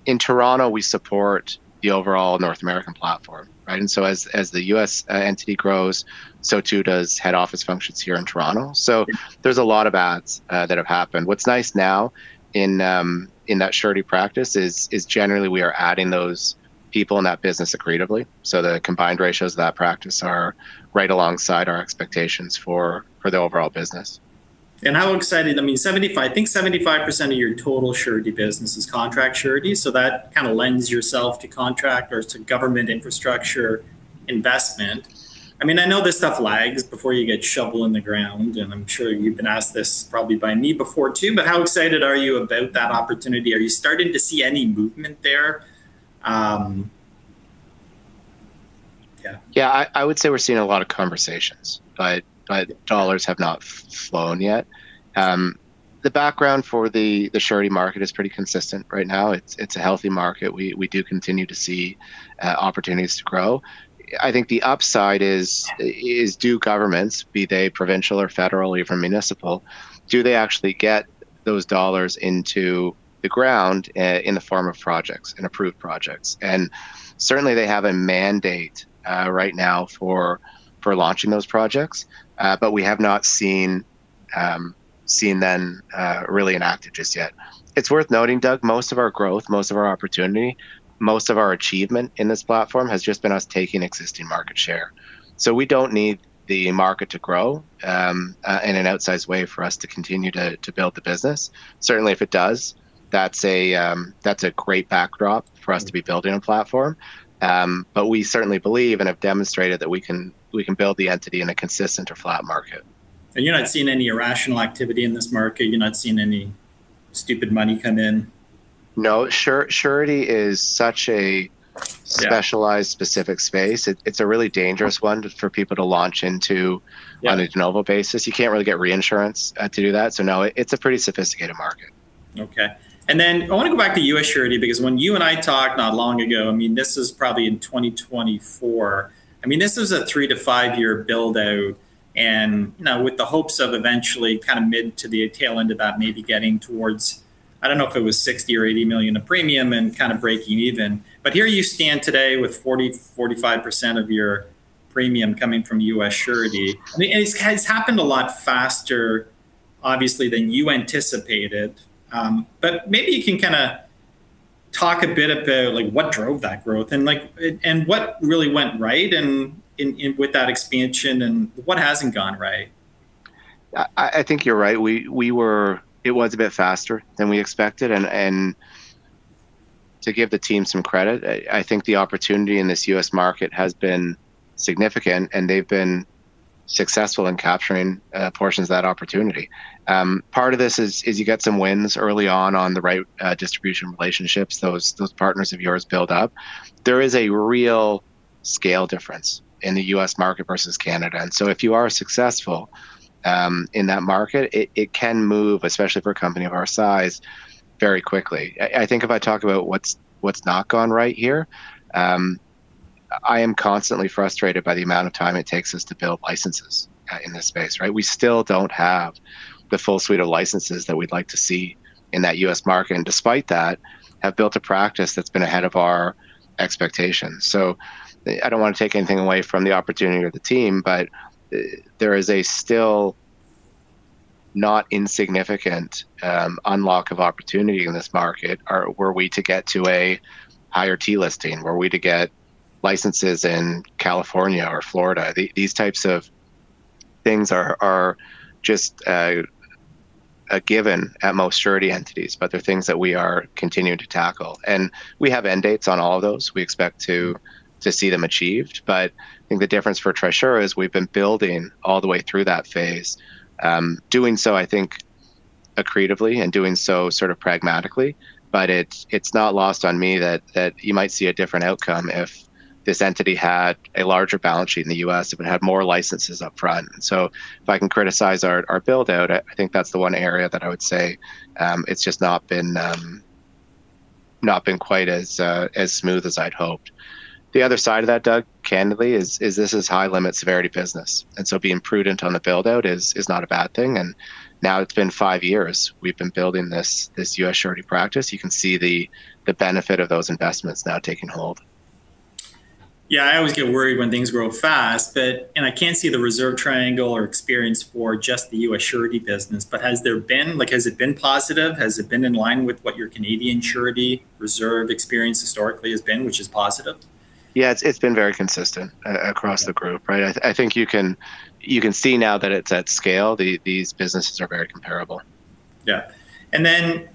In Toronto, we support the overall North American platform, right? And so as the U.S. entity grows, so too does head office functions here in Toronto. So there's a lot of adds that have happened. What's nice now in that surety practice is generally we are adding those people in that business accretively. So the combined ratios of that practice are right alongside our expectations for the overall business. How excited... I mean, 75, I think 75% of your total surety business is contract surety, so that kind of lends yourself to contract or to government infrastructure investment. I mean, I know this stuff lags before you get shovel in the ground, and I'm sure you've been asked this probably by me before, too, but how excited are you about that opportunity? Are you starting to see any movement there? Yeah. Yeah, I would say we're seeing a lot of conversations, but dollars have not flown yet. The background for the surety market is pretty consistent right now. It's a healthy market. We do continue to see opportunities to grow. I think the upside is do governments, be they provincial or federal or even municipal, do they actually get those dollars into the ground in the form of projects and approved projects? And certainly, they have a mandate right now for launching those projects, but we have not seen them really enacted just yet. It's worth noting, Doug, most of our growth, most of our opportunity, most of our achievement in this platform has just been us taking existing market share. So we don't need the market to grow in an outsized way for us to continue to build the business. Certainly, if it does, that's a great backdrop for us to be building a platform. But we certainly believe and have demonstrated that we can build the entity in a consistent or flat market. You're not seeing any irrational activity in this market? You're not seeing any stupid money come in? No. Surety is such a- Yeah... specialized, specific space. It, it's a really dangerous one for people to launch into- Yeah - on a de novo basis. You can't really get reinsurance, to do that, so no, it's a pretty sophisticated market. Okay. And then I want to go back to US surety, because when you and I talked not long ago, I mean, this is probably in 2024. I mean, this is a three-five year build-out, and, you know, with the hopes of eventually kind of mid to the tail end of that, maybe getting towards, I don't know if it was $60 million or $80 million of premium and kind of breaking even. But here you stand today with 40%-45% of your premium coming from U.S. surety. I mean, and it's, it's happened a lot faster, obviously, than you anticipated. But maybe you can kinda talk a bit about, like, what drove that growth, and, like, and, and what really went right in, in, with that expansion, and what hasn't gone right? I think you're right. We were—it was a bit faster than we expected, and to give the team some credit, I think the opportunity in this U.S. market has been significant, and they've been successful in capturing portions of that opportunity. Part of this is you get some wins early on, on the right distribution relationships, those partners of yours build up. There is a real scale difference in the U.S. market versus Canada, and so if you are successful in that market, it can move, especially for a company of our size, very quickly. I think if I talk about what's not gone right here, I am constantly frustrated by the amount of time it takes us to build licenses in this space, right? We still don't have the full suite of licenses that we'd like to see in that US market, and despite that, have built a practice that's been ahead of our expectations. So I don't want to take anything away from the opportunity or the team, but there is a still not insignificant unlock of opportunity in this market. Or were we to get to a higher T-Listing, were we to get licenses in California or Florida, these types of things are just a given at most surety entities, but they're things that we are continuing to tackle, and we have end dates on all of those. We expect to see them achieved. But I think the difference for Trisura is we've been building all the way through that phase, doing so, I think, accretively and doing so sort of pragmatically, but it's not lost on me that you might see a different outcome if this entity had a larger balance sheet in the U.S.. It would have more licenses up front. So if I can criticize our build-out, I think that's the one area that I would say it's just not been quite as smooth as I'd hoped. The other side of that, Doug, candidly, is this is high-limit severity business, and so being prudent on the build-out is not a bad thing, and now it's been five years we've been building this U.S. surety practice. You can see the benefit of those investments now taking hold. Yeah, I always get worried when things grow fast, but... And I can't see the reserve triangle or experience for just the U.S. surety business, but has there been, like, has it been positive? Has it been in line with what your Canadian surety reserve experience historically has been, which is positive? Yeah, it's been very consistent across the group, right? I think you can see now that it's at scale, these businesses are very comparable. Yeah. And then,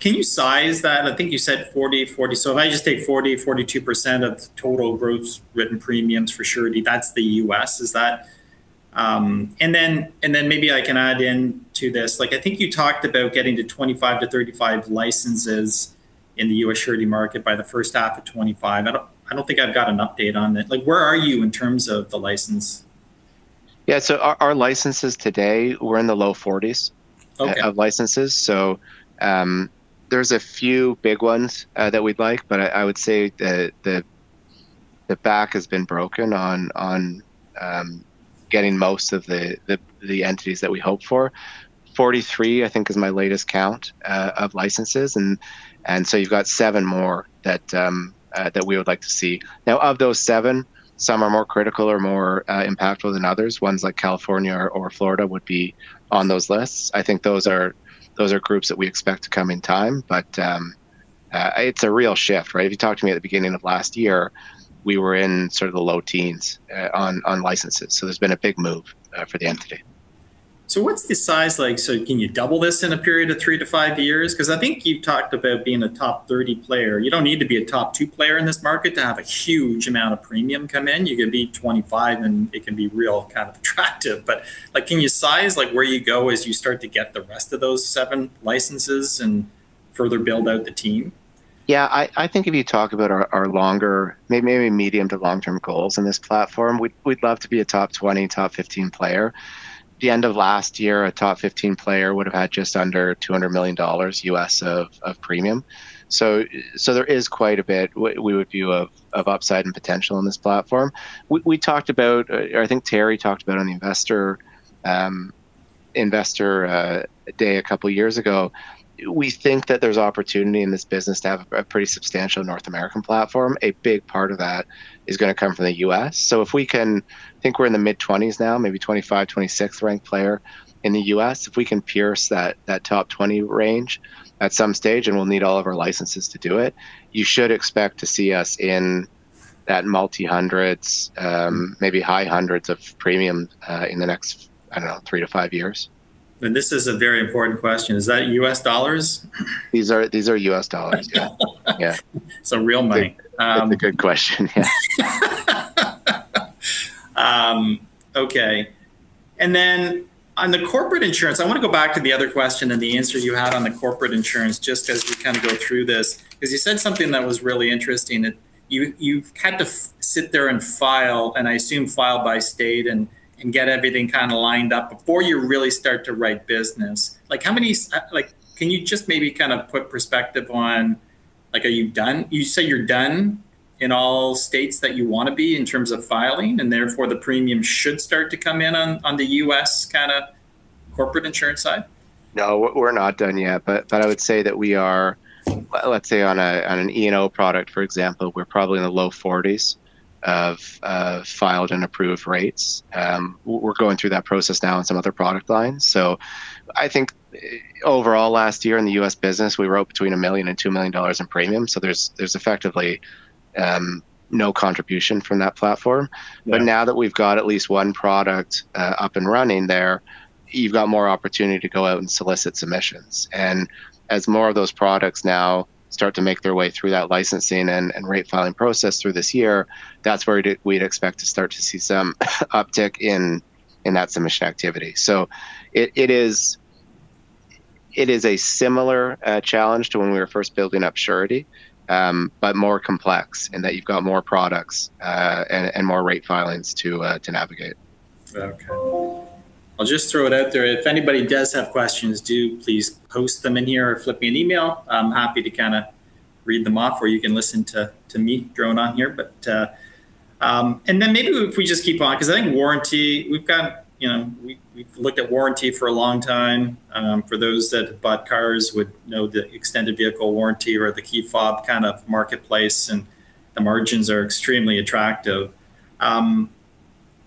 can you size that? I think you said 40, 40. So if I just take 40%-42% of total gross written premiums for surety, that's the U.S. Is that? And then maybe I can add in to this. Like, I think you talked about getting to 25-35 licenses in the U.S. surety market by the first half of 2025. I don't think I've got an update on it. Like, where are you in terms of the license? Yeah. So our licenses today, we're in the low 40s- Okay of licenses. So, there's a few big ones that we'd like, but I would say that the back has been broken on getting most of the entities that we hope for. 43, I think, is my latest count of licenses. And so you've got seven more that we would like to see. Now, of those seven, some are more critical or more impactful than others. Ones like California or Florida would be on those lists. I think those are groups that we expect to come in time. But it's a real shift, right? If you talked to me at the beginning of last year, we were in sort of the low teens on licenses, so there's been a big move for the entity. So what's the size like? So can you double this in a period of three-five years? 'Cause I think you've talked about being a top 30 player. You don't need to be a top 2 player in this market to have a huge amount of premium come in. You can be 25, and it can be real kind of attractive. But, like, can you size, like, where you go as you start to get the rest of those seven licenses and further build out the team? Yeah, I think if you talk about our longer, maybe medium- to long-term goals in this platform, we'd love to be a top 20, top 15 player. The end of last year, a top 15 player would have had just under $200 million of premium. So there is quite a bit, what we would view of upside and potential in this platform. We talked about, or I think Terry talked about on the Investor Day a couple of years ago, we think that there's opportunity in this business to have a pretty substantial North American platform. A big part of that is gonna come from the U.S.. So if we can... I think we're in the mid-20s now, maybe 25th, 26th ranked player in the U.S.. If we can pierce that top 20 range at some stage, and we'll need all of our licenses to do it, you should expect to see us in that multi-hundreds, maybe high hundreds of premium in the next, I don't know, three-five years. This is a very important question: Is that U.S. dollars? These are U.S. dollars. Yeah. Yeah. Some real money. That's a good question. Yeah. Okay. And then on the corporate insurance, I wanna go back to the other question and the answer you had on the corporate insurance, just as we kind of go through this. 'Cause you said something that was really interesting, that you, you've had to sit there and file, and I assume file by state, and get everything kinda lined up before you really start to write business. Like, can you just maybe kind of put perspective on, like, are you done? You say you're done in all states that you wanna be in terms of filing, and therefore, the premium should start to come in on the U.S. kinda corporate insurance side? No, we're not done yet, but I would say that we are, well, let's say on an E&O product, for example, we're probably in the low forties of filed and approved rates. We're going through that process now in some other product lines. So I think overall, last year in the U.S. business, we wrote between $1 million and $2 million in premium, so there's effectively no contribution from that platform. Yeah. But now that we've got at least one product up and running there, you've got more opportunity to go out and solicit submissions. And as more of those products now start to make their way through that licensing and rate filing process through this year, that's where we'd expect to start to see some uptick in that submission activity. So it is a similar challenge to when we were first building up Surety, but more complex in that you've got more products and more rate filings to navigate. Okay. I'll just throw it out there. If anybody does have questions, do please post them in here or flip me an email. I'm happy to kinda read them off, or you can listen to me drone on here. But, and then maybe if we just keep on, 'cause I think warranty, we've got, you know, we've looked at warranty for a long time, for those that have bought cars would know the extended vehicle warranty or the key fob kind of marketplace, and the margins are extremely attractive.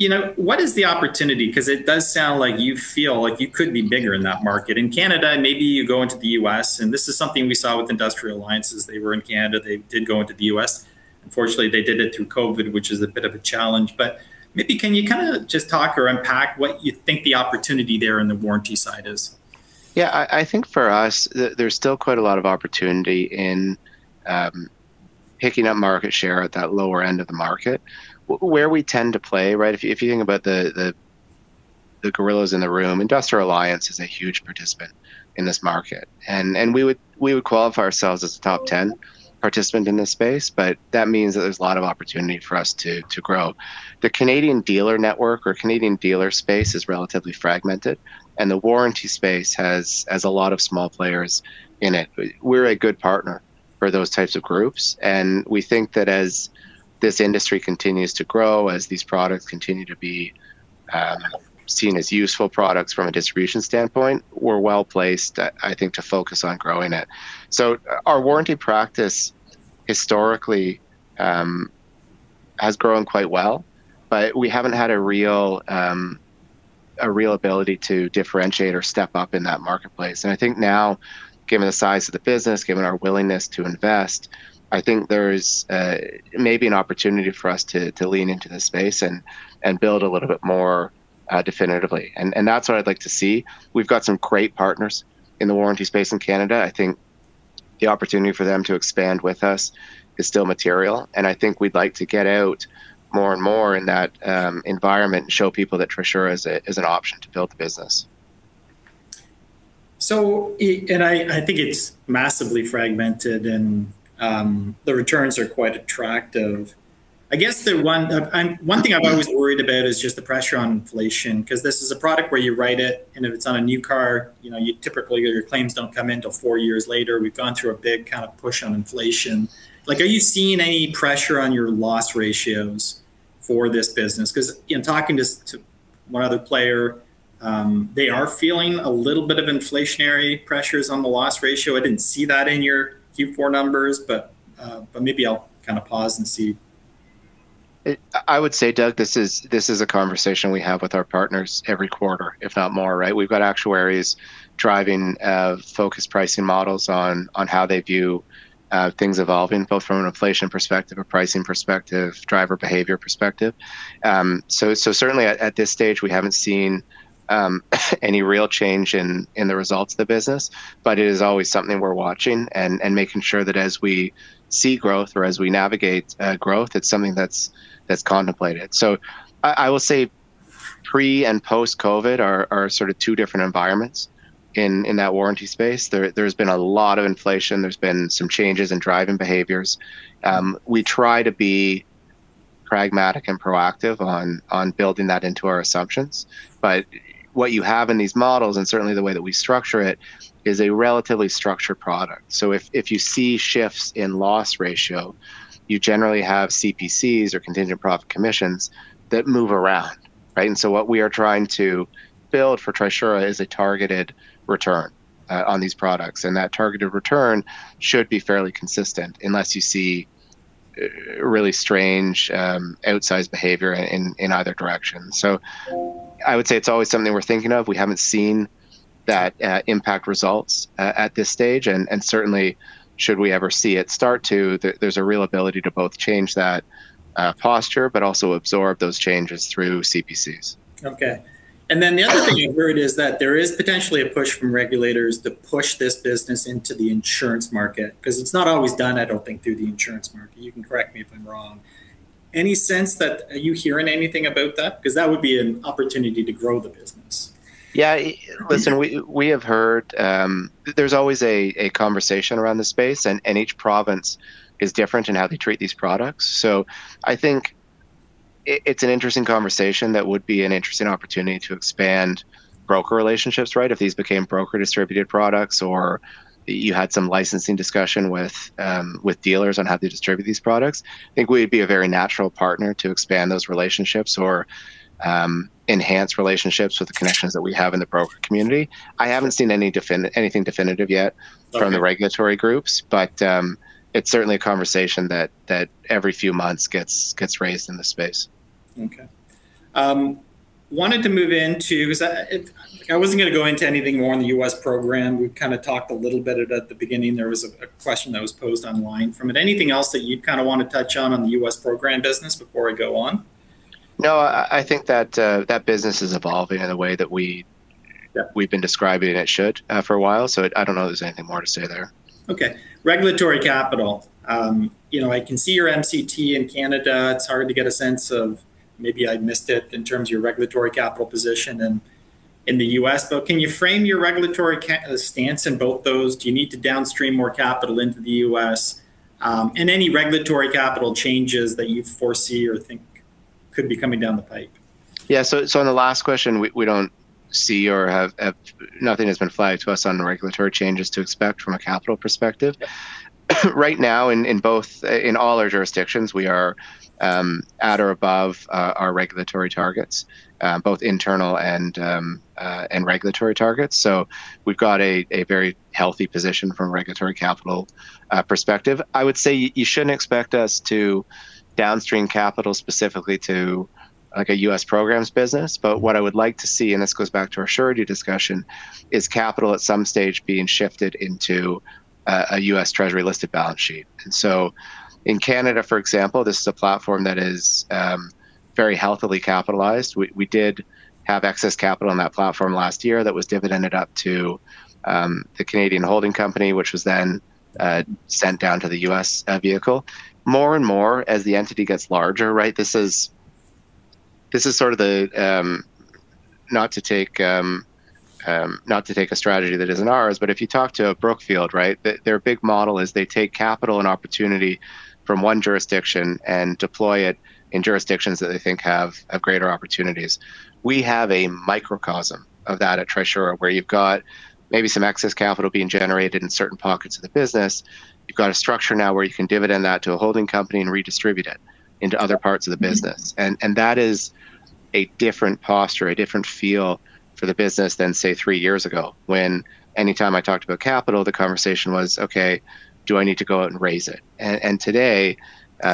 You know, what is the opportunity? 'Cause it does sound like you feel like you could be bigger in that market. In Canada, maybe you go into the U.S., and this is something we saw with Industrial Alliance is they were in Canada, they did go into the U.S.. Unfortunately, they did it through COVID, which is a bit of a challenge, but maybe can you kinda just talk or unpack what you think the opportunity there in the warranty side is? Yeah, I think for us, there's still quite a lot of opportunity in picking up market share at that lower end of the market. Where we tend to play, right, if you think about the gorillas in the room, Industrial Alliance is a huge participant in this market, and we would qualify ourselves as a top ten participant in this space, but that means that there's a lot of opportunity for us to grow. The Canadian dealer network or Canadian dealer space is relatively fragmented, and the warranty space has a lot of small players in it. We're a good partner for those types of groups, and we think that as this industry continues to grow, as these products continue to be seen as useful products from a distribution standpoint, we're well-placed, I think, to focus on growing it. So our warranty practice historically has grown quite well, but we haven't had a real ability to differentiate or step up in that marketplace. And I think now, given the size of the business, given our willingness to invest, I think there's maybe an opportunity for us to lean into this space and build a little bit more definitively, and that's what I'd like to see. We've got some great partners in the warranty space in Canada. I think-... The opportunity for them to expand with us is still material, and I think we'd like to get out more and more in that environment and show people that Trisura is a, is an option to build the business. And I, I think it's massively fragmented, and the returns are quite attractive. I guess the one thing I'm always worried about is just the pressure on inflation, 'cause this is a product where you write it, and if it's on a new car, you know, you typically, your claims don't come in till four years later. We've gone through a big kind of push on inflation. Like, are you seeing any pressure on your loss ratios for this business? 'Cause in talking to one other player, they are feeling a little bit of inflationary pressures on the loss ratio. I didn't see that in your Q4 numbers, but maybe I'll kind of pause and see. I would say, Doug, this is, this is a conversation we have with our partners every quarter, if not more, right? We've got actuaries driving focused pricing models on, on how they view things evolving, both from an inflation perspective, a pricing perspective, driver behavior perspective. So, so certainly at, at this stage, we haven't seen any real change in, in the results of the business, but it is always something we're watching and, and making sure that as we see growth or as we navigate growth, it's something that's, that's contemplated. So I, I will say pre- and post-COVID are, are sort of two different environments in, in that warranty space. There, there's been a lot of inflation, there's been some changes in driving behaviors. We try to be pragmatic and proactive on, on building that into our assumptions. But what you have in these models, and certainly the way that we structure it, is a relatively structured product. So if you see shifts in loss ratio, you generally have CPCs or contingent profit commissions that move around, right? And so what we are trying to build for Trisura is a targeted return on these products, and that targeted return should be fairly consistent unless you see really strange outsized behavior in either direction. So I would say it's always something we're thinking of. We haven't seen that impact results at this stage, and certainly, should we ever see it start to, there's a real ability to both change that posture, but also absorb those changes through CPCs. Okay. And then the other thing I've heard is that there is potentially a push from regulators to push this business into the insurance market, 'cause it's not always done, I don't think, through the insurance market. You can correct me if I'm wrong. Any sense that... Are you hearing anything about that? 'Cause that would be an opportunity to grow the business. Yeah, listen, we have heard, there's always a conversation around this space, and each province is different in how they treat these products. So I think it's an interesting conversation that would be an interesting opportunity to expand broker relationships, right? If these became broker-distributed products or you had some licensing discussion with dealers on how to distribute these products, I think we'd be a very natural partner to expand those relationships or enhance relationships with the connections that we have in the broker community. I haven't seen anything definitive yet- Okay... from the regulatory groups, but, it's certainly a conversation that every few months gets raised in the space. Okay. Wanted to move into... I wasn't gonna go into anything more on the U.S. program. We've kind of talked a little bit at the beginning. There was a question that was posed online from it. Anything else that you'd kind of want to touch on, on the U.S. program business before I go on? No, I think that that business is evolving in the way that we- Yeah... we've been describing it should for a while, so I don't know if there's anything more to say there. Okay. Regulatory capital. You know, I can see your MCT in Canada. It's hard to get a sense of, maybe I missed it, in terms of your regulatory capital position and in the U.S., though. Can you frame your regulatory capital stance in both those? Do you need to downstream more capital into the U.S.? And any regulatory capital changes that you foresee or think could be coming down the pipe. Yeah. So in the last question, we don't see or have nothing has been flagged to us on the regulatory changes to expect from a capital perspective. Right now, in all our jurisdictions, we are at or above our regulatory targets both internal and regulatory targets. So we've got a very healthy position from a regulatory capital perspective. I would say you shouldn't expect us to downstream capital specifically to, like, a U.S. programs business. But what I would like to see, and this goes back to our surety discussion, is capital at some stage being shifted into a U.S. Treasury-listed balance sheet. And so in Canada, for example, this is a platform that is very healthily capitalized. We did have excess capital on that platform last year that was dividended up to the Canadian holding company, which was then sent down to the U.S. vehicle. More and more, as the entity gets larger, right, this is sort of the... Not to take a strategy that isn't ours, but if you talk to Brookfield, right, their big model is they take capital and opportunity from one jurisdiction and deploy it in jurisdictions that they think have greater opportunities. We have a microcosm of that at Trisura, where you've got maybe some excess capital being generated in certain pockets of the business. You've got a structure now where you can dividend that to a holding company and redistribute it into other parts of the business. And that is a different posture, a different feel for the business than, say, three years ago, when anytime I talked about capital, the conversation was: "Okay, do I need to go out and raise it?" And today,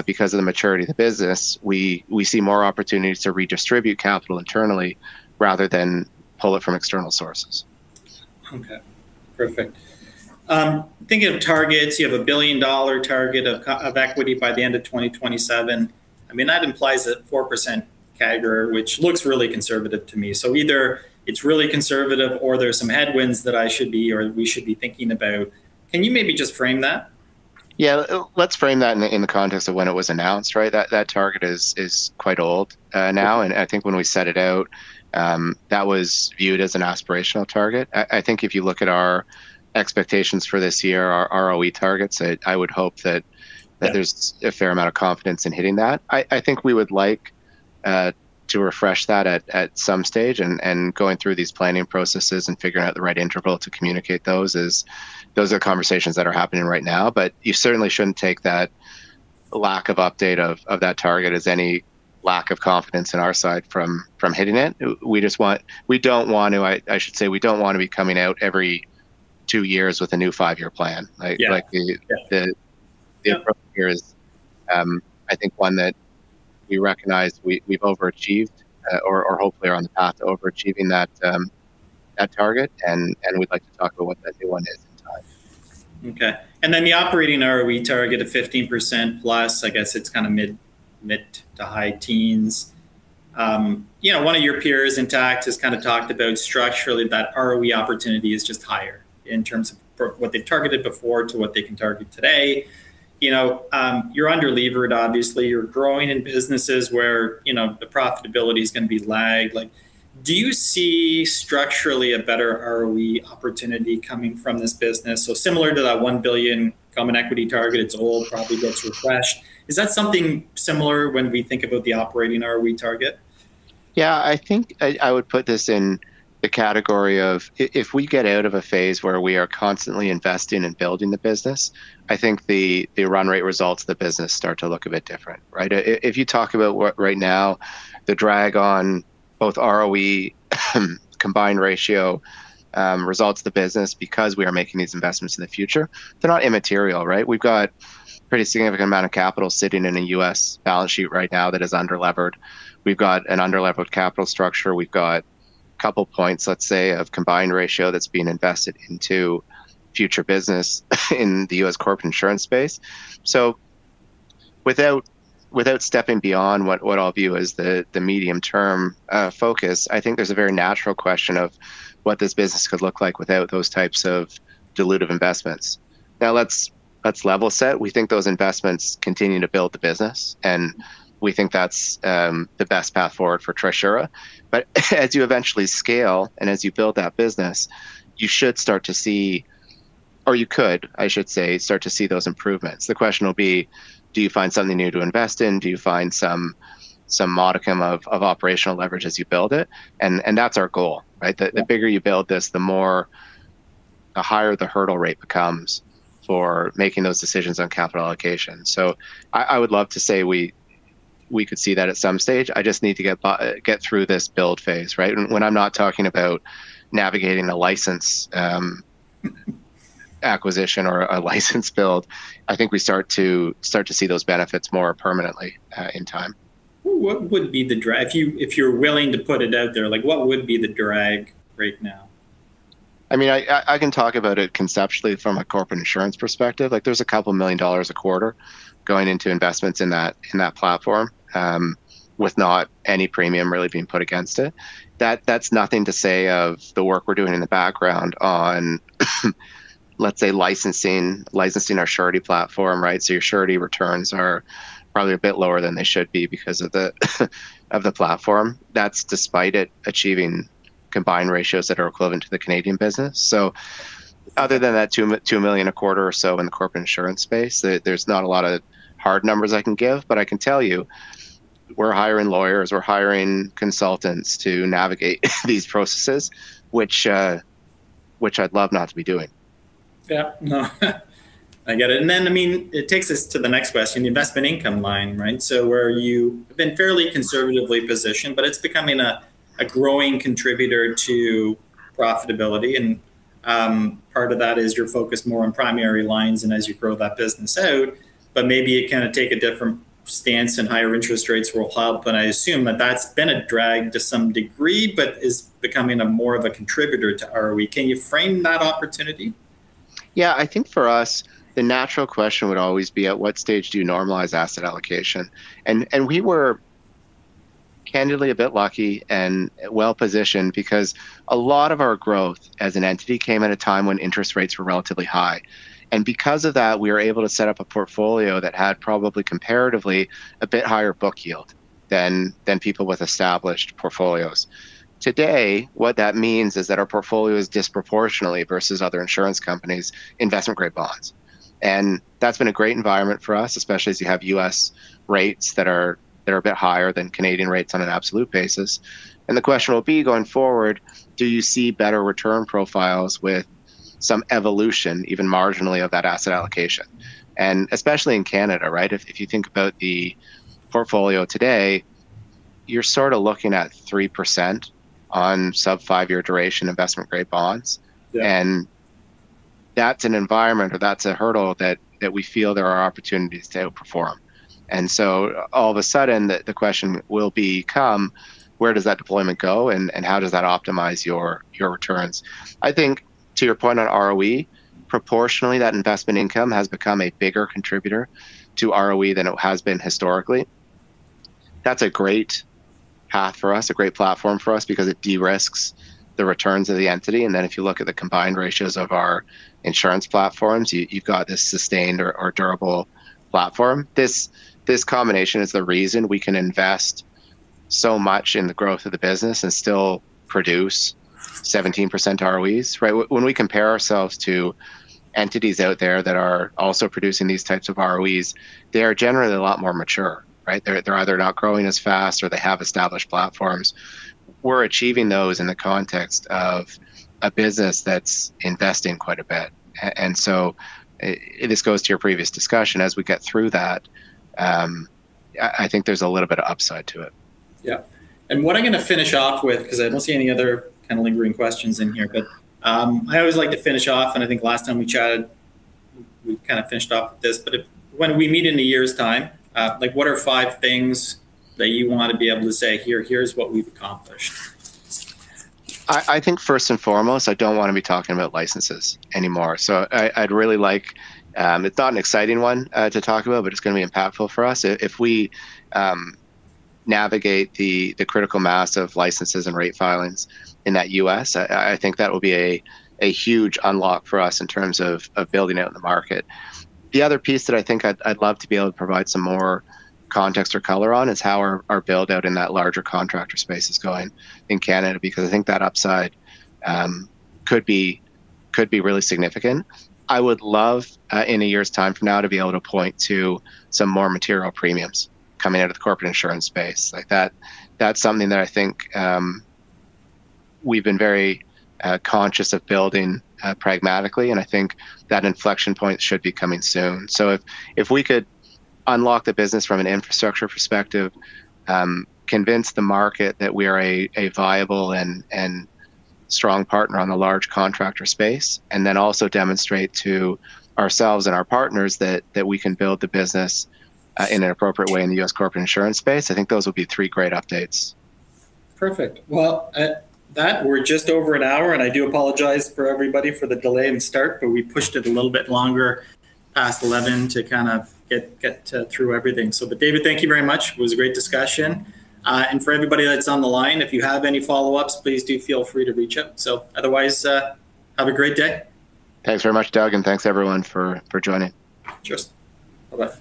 because of the maturity of the business, we see more opportunities to redistribute capital internally rather than pull it from external sources. Okay, perfect. Thinking of targets, you have a 1 billion dollar target of equity by the end of 2027. I mean, that implies a 4% CAGR, which looks really conservative to me. So either it's really conservative or there's some headwinds that I should be or we should be thinking about. Can you maybe just frame that? Yeah. Let's frame that in the context of when it was announced, right? That target is quite old now, and I think when we set it out, that was viewed as an aspirational target. I think if you look at our expectations for this year, our ROE targets, I would hope that- Yeah that there's a fair amount of confidence in hitting that. I think we would like to refresh that at some stage, and going through these planning processes and figuring out the right interval to communicate those is—those are conversations that are happening right now. But you certainly shouldn't take that lack of update of that target as any lack of confidence on our side from hitting it. We just want—we don't want to. I should say, we don't wanna be coming out every two years with a new five-year plan. Like- Yeah... like the Yeah The approach here is, I think, one that we recognize we've overachieved, or hopefully are on the path to overachieving that target, and we'd like to talk about what that new one is in time. Okay. Then the operating ROE target of 15%+, I guess it's kinda mid- to high-teens. You know, one of your peers, Intact, has kinda talked about structurally that ROE opportunity is just higher in terms of for what they've targeted before to what they can target today. You know, you're under-levered, obviously, you're growing in businesses where, you know, the profitability is gonna be lagged. Like, do you see structurally a better ROE opportunity coming from this business? So similar to that 1 billion common equity target, it's old, probably gets refreshed. Is that something similar when we think about the operating ROE target? Yeah, I think I would put this in the category of if we get out of a phase where we are constantly investing and building the business, I think the run rate results of the business start to look a bit different, right? If you talk about what right now, the drag on both ROE, Combined Ratio, results of the business because we are making these investments in the future, they're not immaterial, right? We've got pretty significant amount of capital sitting in a U.S. balance sheet right now that is under-levered. We've got an under-levered capital structure. We've got a couple of points, let's say, of Combined Ratio that's been invested into future business in the U.S. corporate insurance space. So without stepping beyond what I'll view as the medium-term focus, I think there's a very natural question of what this business could look like without those types of dilutive investments. Now, let's level set. We think those investments continue to build the business, and we think that's the best path forward for Trisura. But as you eventually scale and as you build that business, you should start to see, or you could, I should say, start to see those improvements. The question will be: Do you find something new to invest in? Do you find some modicum of operational leverage as you build it? And that's our goal, right? Yeah. The bigger you build this, the more... the higher the hurdle rate becomes for making those decisions on capital allocation. So I would love to say we could see that at some stage. I just need to get by, get through this build phase, right? When I'm not talking about navigating a license, acquisition or a license build, I think we start to see those benefits more permanently, in time. What would be the drag? If you're willing to put it out there, like, what would be the drag right now? I mean, I can talk about it conceptually from a corporate insurance perspective. Like, there's a couple million dollars a quarter going into investments in that platform, with not any premium really being put against it. That's nothing to say of the work we're doing in the background on, let's say, licensing, licensing our surety platform, right? So your surety returns are probably a bit lower than they should be because of the platform. That's despite it achieving combined ratios that are equivalent to the Canadian business. So other than that $2 million a quarter or so in the corporate insurance space, there's not a lot of hard numbers I can give, but I can tell you we're hiring lawyers, we're hiring consultants to navigate these processes, which I'd love not to be doing. Yeah. No, I get it. And then, I mean, it takes us to the next question, the investment income line, right? So where you have been fairly conservatively positioned, but it's becoming a, a growing contributor to profitability, and, part of that is you're focused more on primary lines and as you grow that business out, but maybe you kinda take a different stance and higher interest rates will help. But I assume that that's been a drag to some degree, but is becoming a more of a contributor to ROE. Can you frame that opportunity? Yeah. I think for us, the natural question would always be: At what stage do you normalize asset allocation? And, and we were candidly a bit lucky and well-positioned because a lot of our growth as an entity came at a time when interest rates were relatively high. And because of that, we were able to set up a portfolio that had probably comparatively a bit higher book yield than, than people with established portfolios. Today, what that means is that our portfolio is disproportionately versus other insurance companies, investment-grade bonds. And that's been a great environment for us, especially as you have U.S. rates that are, that are a bit higher than Canadian rates on an absolute basis. And the question will be, going forward, do you see better return profiles with some evolution, even marginally, of that asset allocation? And especially in Canada, right? If you think about the portfolio today, you're sort of looking at 3% on sub-five-year duration investment-grade bonds. Yeah. And that's an environment or that's a hurdle that we feel there are opportunities to outperform. And so all of a sudden, the question will become: Where does that deployment go, and how does that optimize your returns? I think, to your point on ROE, proportionally, that investment income has become a bigger contributor to ROE than it has been historically. That's a great path for us, a great platform for us, because it de-risks the returns of the entity. And then if you look at the combined ratios of our insurance platforms, you've got this sustained or durable platform. This combination is the reason we can invest so much in the growth of the business and still produce 17% ROEs, right? When we compare ourselves to entities out there that are also producing these types of ROEs, they are generally a lot more mature, right? They're either not growing as fast, or they have established platforms. We're achieving those in the context of a business that's investing quite a bit. And so, this goes to your previous discussion. As we get through that, I think there's a little bit of upside to it. Yeah. And what I'm gonna finish off with, 'cause I don't see any other kind of lingering questions in here, but, I always like to finish off, and I think last time we chatted, we kinda finished off with this. But if- when we meet in a year's time, like, what are five things that you wanna be able to say, "Here, here's what we've accomplished? I, I think first and foremost, I don't wanna be talking about licenses anymore. So I, I'd really like—it's not an exciting one to talk about, but it's gonna be impactful for us. If, if we navigate the, the critical mass of licenses and rate filings in that U.S., I, I think that will be a, a huge unlock for us in terms of, of building out in the market. The other piece that I think I'd, I'd love to be able to provide some more context or color on is how our, our build-out in that larger contractor space is going in Canada, because I think that upside could be, could be really significant. I would love, in a year's time from now, to be able to point to some more material premiums coming out of the corporate insurance space. Like, that, that's something that I think, we've been very conscious of building, pragmatically, and I think that inflection point should be coming soon. So if, if we could unlock the business from an infrastructure perspective, convince the market that we are a, a viable and, and strong partner on the large contractor space, and then also demonstrate to ourselves and our partners that, that we can build the business, in an appropriate way in the U.S. corporate insurance space, I think those would be three great updates. Perfect. Well, at that, we're just over an hour, and I do apologize for everybody for the delay in start, but we pushed it a little bit longer past eleven to kind of get through everything. So but David, thank you very much. It was a great discussion. And for everybody that's on the line, if you have any follow-ups, please do feel free to reach out. So otherwise, have a great day. Thanks very much, Doug, and thanks, everyone, for joining. Cheers. Bye-bye.